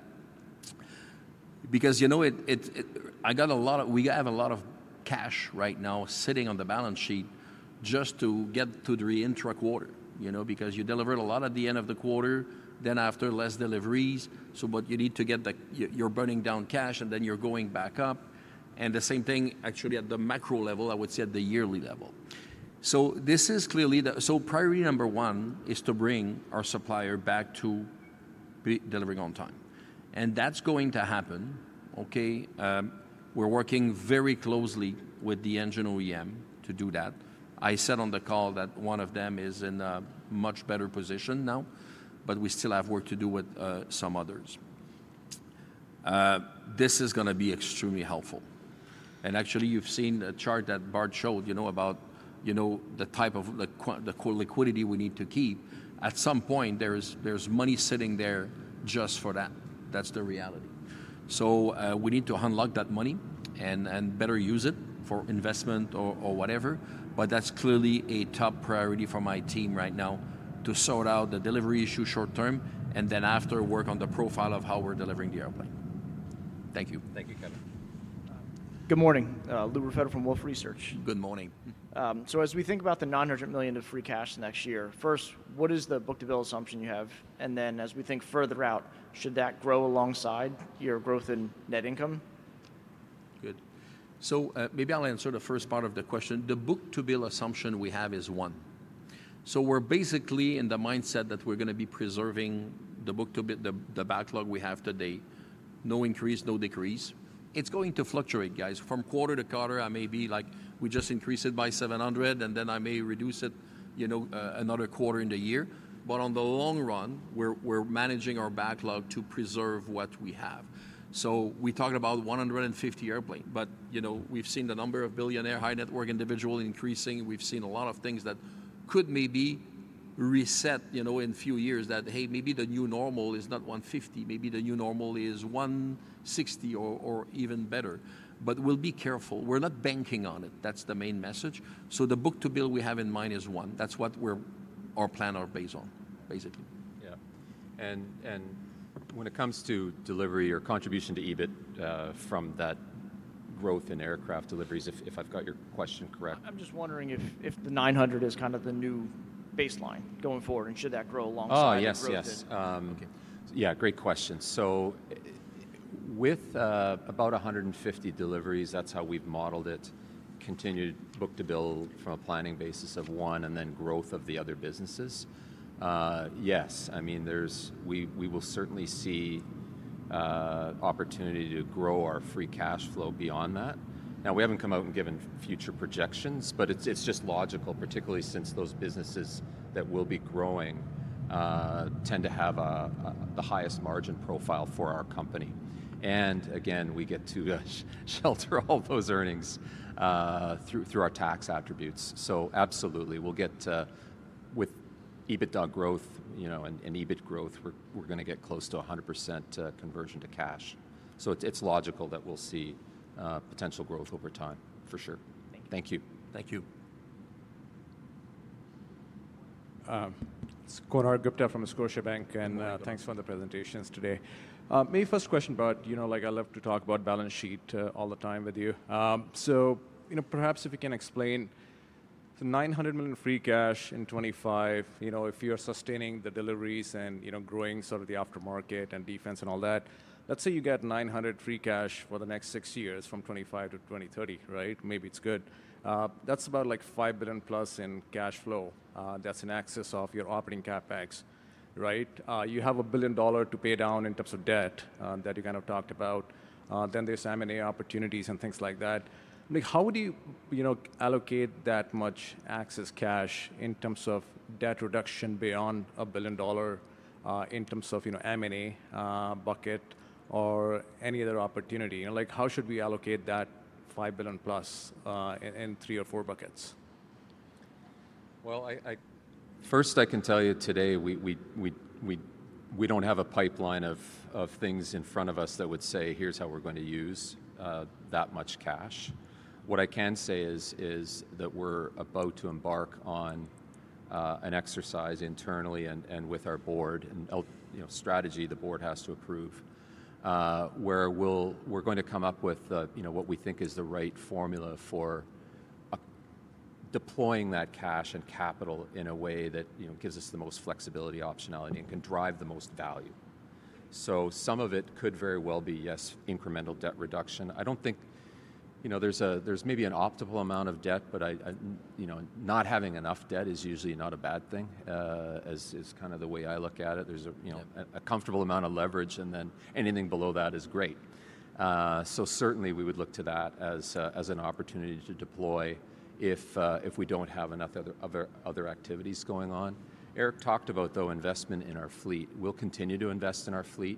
Because, you know, we have a lot of cash right now sitting on the balance sheet just to get to the intra-quarter, you know, because you delivered a lot at the end of the quarter, then after, less deliveries, so but you need to get the... You're burning down cash, and then you're going back up, and the same thing actually at the macro level, I would say, at the yearly level. Priority number one is to bring our supplier back to be delivering on time, and that's going to happen, okay? We're working very closely with the engine OEM to do that. I said on the call that one of them is in a much better position now, but we still have work to do with some others. This is gonna be extremely helpful, and actually, you've seen the chart that Bart showed, you know, about, you know, the type of the liquidity we need to keep. At some point, there's money sitting there just for that. That's the reality. So, we need to unlock that money and better use it for investment or whatever, but that's clearly a top priority for my team right now, to sort out the delivery issue short term, and then after, work on the profile of how we're delivering the airplane. Thank you. Thank you, Kevin. Good morning. Lou Raffetto from Wolfe Research. Good morning. So as we think about the $900 million of free cash next year, first, what is the book-to-bill assumption you have? And then, as we think further out, should that grow alongside your growth in net income? Good. So, maybe I'll answer the first part of the question. The book-to-bill assumption we have is one. So we're basically in the mindset that we're gonna be preserving the book-to-bill, the, the backlog we have today, no increase, no decrease. It's going to fluctuate, guys. From quarter to quarter, I may be like, we just increase it by 700, and then I may reduce it, you know, another quarter in the year, but on the long run, we're, we're managing our backlog to preserve what we have. So we talked about 150 airplanes, but, you know, we've seen the number of billionaire high-net-worth individuals increasing. We've seen a lot of things that could maybe reset, you know, in a few years, that, hey, maybe the new normal is not 150, maybe the new normal is 160 or, or even better. We'll be careful. We're not banking on it. That's the main message. The Book-to-Bill we have in mind is one. That's what our plans are based on, basically. Yeah, and when it comes to delivery or contribution to EBIT, from that growth in aircraft deliveries, if I've got your question correct- I'm just wondering if the 900 is kind of the new baseline going forward, and should that grow alongside- Ah, yes, yes. Okay. Yeah, great question. So with about 150 deliveries, that's how we've modeled it, continued book-to-bill from a planning basis of 1 and then growth of the other businesses. Yes, I mean, there's... We, we will certainly see opportunity to grow our free cash flow beyond that. Now, we haven't come out and given future projections, but it's, it's just logical, particularly since those businesses that will be growing tend to have a the highest margin profile for our company. And again, we get to shelter all those earnings through, through our tax attributes. So absolutely, we'll get with EBITDA growth, you know, and, and EBIT growth, we're, we're gonna get close to 100% conversion to cash. So it's, it's logical that we'll see potential growth over time, for sure. Thank you. Thank you. Thank you. It's Konark Gupta from Scotiabank, and- Welcome... thanks for the presentations today. Maybe first question about, you know, like, I love to talk about balance sheet, all the time with you. So, you know, perhaps if you can explain the $900 million free cash in 2025, you know, if you're sustaining the deliveries and, you know, growing sort of the aftermarket and defense and all that, let's say you get $900 free cash for the next 6 years from 2025 to 2030, right? Maybe it's good. That's about, like, $5+ billion in cash flow. That's an excess of your operating CapEx, right? You have a $1 billion dollar to pay down in terms of debt, that you kind of talked about. Then there's M&A opportunities and things like that. Like, how do you, you know, allocate that much excess cash in terms of debt reduction beyond $1 billion, in terms of, you know, M&A, bucket or any other opportunity? You know, like, how should we allocate that $5+ billion, in three or four buckets? Well, First, I can tell you today, we don't have a pipeline of things in front of us that would say, "Here's how we're going to use that much cash." What I can say is that we're about to embark on an exercise internally and with our board and, you know, strategy the board has to approve, where we're going to come up with, you know, what we think is the right formula for deploying that cash and capital in a way that, you know, gives us the most flexibility, optionality, and can drive the most value. So some of it could very well be, yes, incremental debt reduction. I don't think, you know, there's maybe an optimal amount of debt, but I, I, you know, not having enough debt is usually not a bad thing, as, as kind of the way I look at it. There's a, you know- Yeah... a comfortable amount of leverage, and then anything below that is great. So certainly we would look to that as an opportunity to deploy if we don't have enough other activities going on. Éric talked about, though, investment in our fleet. We'll continue to invest in our fleet.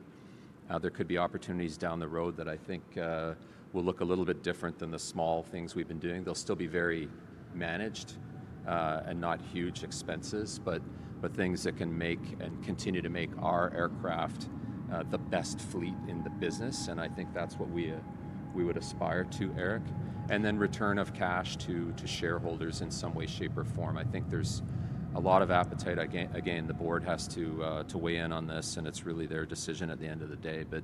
There could be opportunities down the road that I think will look a little bit different than the small things we've been doing. They'll still be very managed and not huge expenses, but things that can make and continue to make our aircraft the best fleet in the business, and I think that's what we would aspire to, Éric. And then return of cash to shareholders in some way, shape, or form. I think there's a lot of appetite. Again, again, the board has to, to weigh in on this, and it's really their decision at the end of the day, but,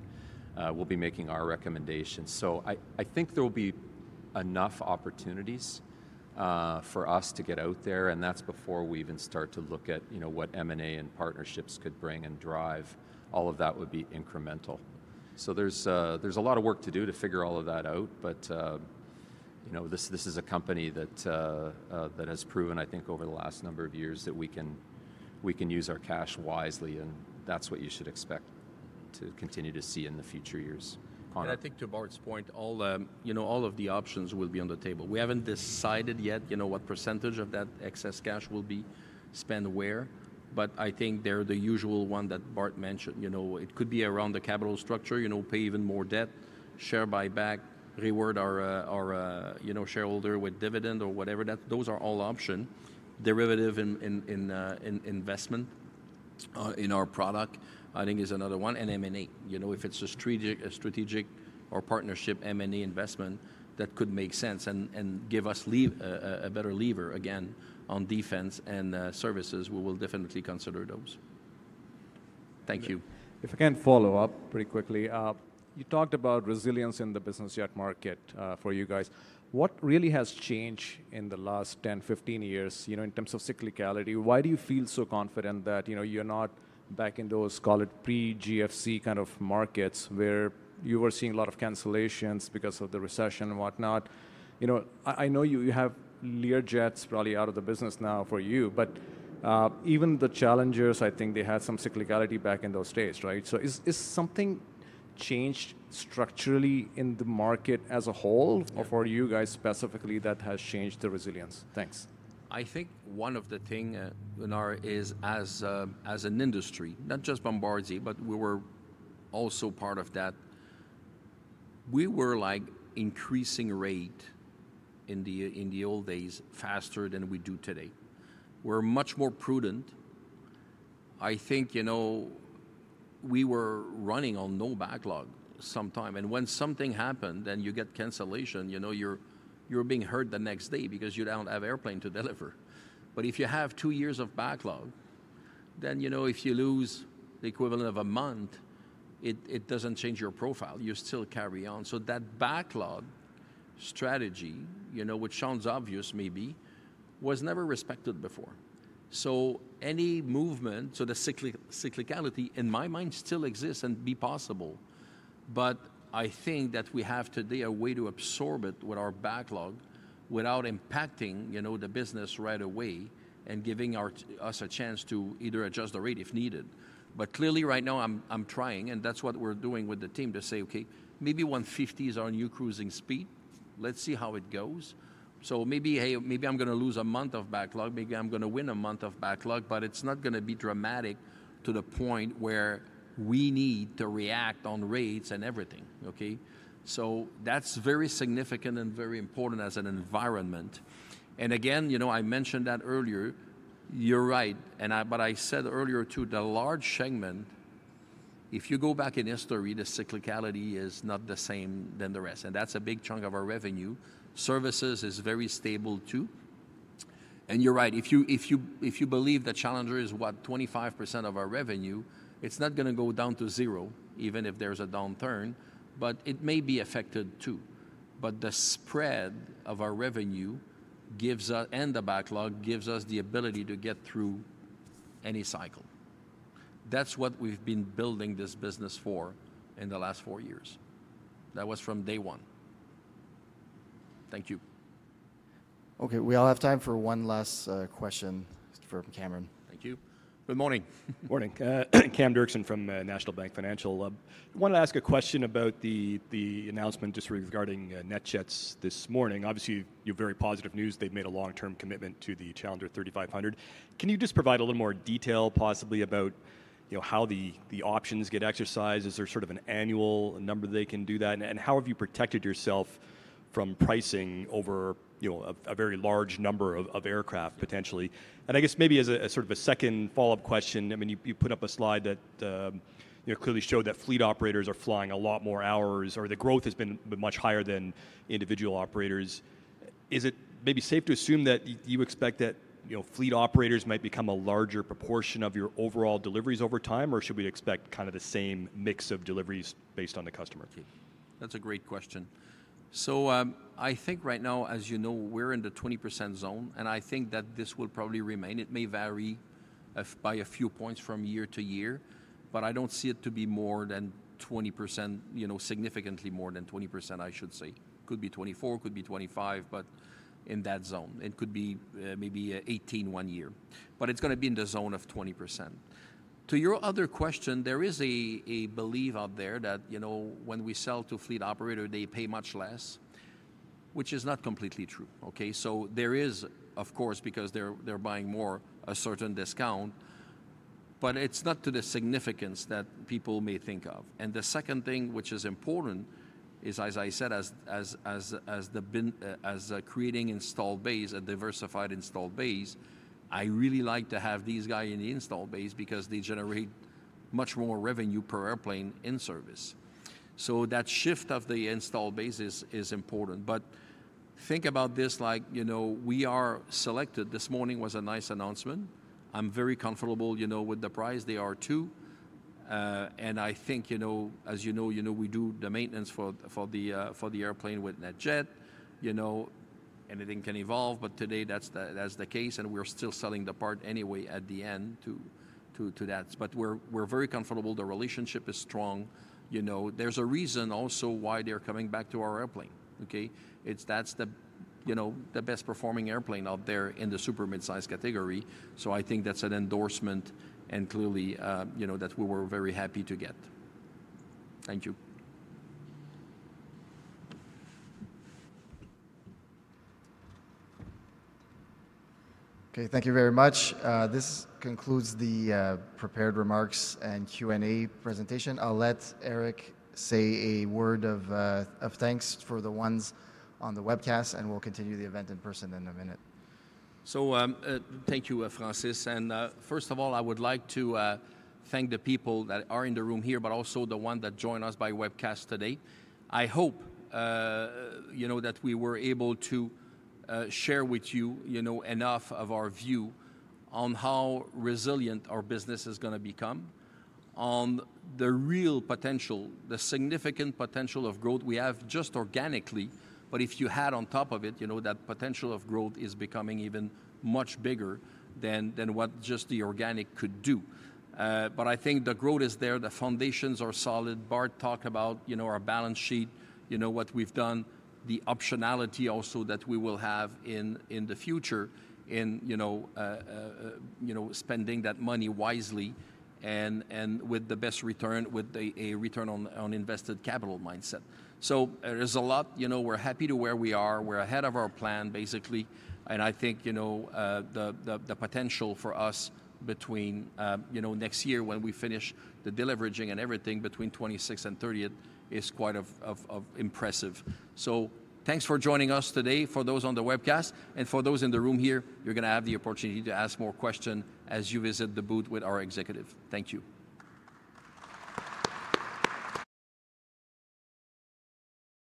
we'll be making our recommendations. So I, I think there will be enough opportunities, for us to get out there, and that's before we even start to look at, you know, what M&A and partnerships could bring and drive. All of that would be incremental. So there's, there's a lot of work to do to figure all of that out, but, you know, this, this is a company that, that has proven, I think over the last number of years, that we can, we can use our cash wisely, and that's what you should expect to continue to see in the future years. Conor? I think to Bart's point, all the, you know, all of the options will be on the table. We haven't decided yet, you know, what percentage of that excess cash will be spent where, but I think they're the usual one that Bart mentioned. You know, it could be around the capital structure, you know, pay even more debt, share buyback, reward our, our, you know, shareholder with dividend or whatever, that those are all option. Direct investment in our product, I think is another one, and M&A. You know, if it's a strategic, a strategic or partnership M&A investment, that could make sense and, and give us leverage, a, a better leverage in defense and services, we will definitely consider those. Thank you. If I can follow up pretty quickly. You talked about resilience in the business jet market for you guys. What really has changed in the last 10, 15 years, you know, in terms of cyclicality? Why do you feel so confident that, you know, you're not back in those, call it, pre-GFC kind of markets, where you were seeing a lot of cancellations because of the recession and whatnot? You know, I know you have Learjets probably out of the business now for you, but even the Challengers, I think they had some cyclicality back in those days, right? So is something changed structurally in the market as a whole- Yeah... or for you guys specifically, that has changed the resilience? Thanks. I think one of the things, Konark, is, as, as an industry, not just Bombardier, but we were also part of that. We were, like, increasing rates in the, in the old days faster than we do today. We're much more prudent. I think, you know, we were running on no backlog sometimes, and when something happened and you get cancellation, you know, you're being hurt the next day because you don't have airplane to deliver. But if you have two years of backlog, then, you know, if you lose the equivalent of a month, it doesn't change your profile. You still carry on. So that backlog strategy, you know, which sounds obvious maybe, was never respected before. So any movement... So the cyclic- cyclicality, in my mind, still exists and be possible, but I think that we have today a way to absorb it with our backlog without impacting, you know, the business right away and giving us a chance to either adjust the rate if needed. But clearly, right now, I'm trying, and that's what we're doing with the team, to say, "Okay, maybe 150 is our new cruising speed. Let's see how it goes." So maybe, hey, maybe I'm going to lose a month of backlog, maybe I'm going to win a month of backlog, but it's not going to be dramatic to the point where we need to react on rates and everything, okay? So that's very significant and very important as an environment. Again, you know, I mentioned that earlier, you're right, but I said earlier, too, the large segment, if you go back in history, the cyclicality is not the same than the rest, and that's a big chunk of our revenue. Services is very stable, too. And you're right, if you, if you, if you believe that Challenger is, what? 25% of our revenue, it's not going to go down to zero, even if there's a downturn, but it may be affected, too. But the spread of our revenue gives us, and the backlog, gives us the ability to get through any cycle. That's what we've been building this business for in the last four years. That was from day one. Thank you. Okay, we all have time for one last question from Cameron. Thank you. Good morning. Morning. Cam Doerksen from National Bank Financial. Wanted to ask a question about the announcement just regarding NetJets this morning. Obviously, you've very positive news. They've made a long-term commitment to the Challenger 3500. Can you just provide a little more detail, possibly about, you know, how the options get exercised? Is there sort of an annual number they can do that, and how have you protected yourself from pricing over, you know, a very large number of aircraft potentially? And I guess maybe as a sort of a second follow-up question, I mean, you put up a slide that, you know, clearly showed that fleet operators are flying a lot more hours, or the growth has been much higher than individual operators. Is it maybe safe to assume that you expect that, you know, fleet operators might become a larger proportion of your overall deliveries over time, or should we expect kind of the same mix of deliveries based on the customer? ...That's a great question. So, I think right now, as you know, we're in the 20% zone, and I think that this will probably remain. It may vary by a few points from year to year, but I don't see it to be more than 20%, you know, significantly more than 20%, I should say. Could be 24, could be 25, but in that zone. It could be, maybe, 18 one year, but it's gonna be in the zone of 20%. To your other question, there is a belief out there that, you know, when we sell to fleet operator, they pay much less, which is not completely true, okay? So there is, of course, because they're buying more, a certain discount, but it's not to the significance that people may think of. The second thing, which is important, is, as I said, as building the installed base, a diversified installed base, I really like to have these guys in the installed base because they generate much more revenue per airplane in service. So that shift of the installed base is important. But think about this like, you know, we are selected. This morning was a nice announcement. I'm very comfortable, you know, with the price, they are, too. And I think, you know, as you know, you know, we do the maintenance for the airplane with NetJets. You know, anything can evolve, but today, that's the case, and we're still selling the part anyway at the end to that. But we're very comfortable. The relationship is strong. You know, there's a reason also why they're coming back to our airplane, okay? That's the, you know, the best performing airplane out there in the super mid-size category, so I think that's an endorsement, and clearly, you know, that we were very happy to get. Thank you. Okay, thank you very much. This concludes the prepared remarks and Q&A presentation. I'll let Éric say a word of thanks for the ones on the webcast, and we'll continue the event in person in a minute. Thank you, Francis, and first of all, I would like to thank the people that are in the room here, but also the one that joined us by webcast today. I hope, you know, that we were able to share with you, you know, enough of our view on how resilient our business is gonna become, on the real potential, the significant potential of growth we have just organically. But if you had on top of it, you know, that potential of growth is becoming even much bigger than what just the organic could do. But I think the growth is there. The foundations are solid. Bart talked about, you know, our balance sheet, you know, what we've done, the optionality also that we will have in the future in, you know, spending that money wisely and with the best return, with a return on invested capital mindset. So there's a lot. You know, we're happy to where we are. We're ahead of our plan, basically, and I think, you know, the potential for us between, you know, next year when we finish the deleveraging and everything, between 2026 and 2030 is quite of impressive. So thanks for joining us today. For those on the webcast and for those in the room here, you're gonna have the opportunity to ask more question as you visit the booth with our executive. Thank you.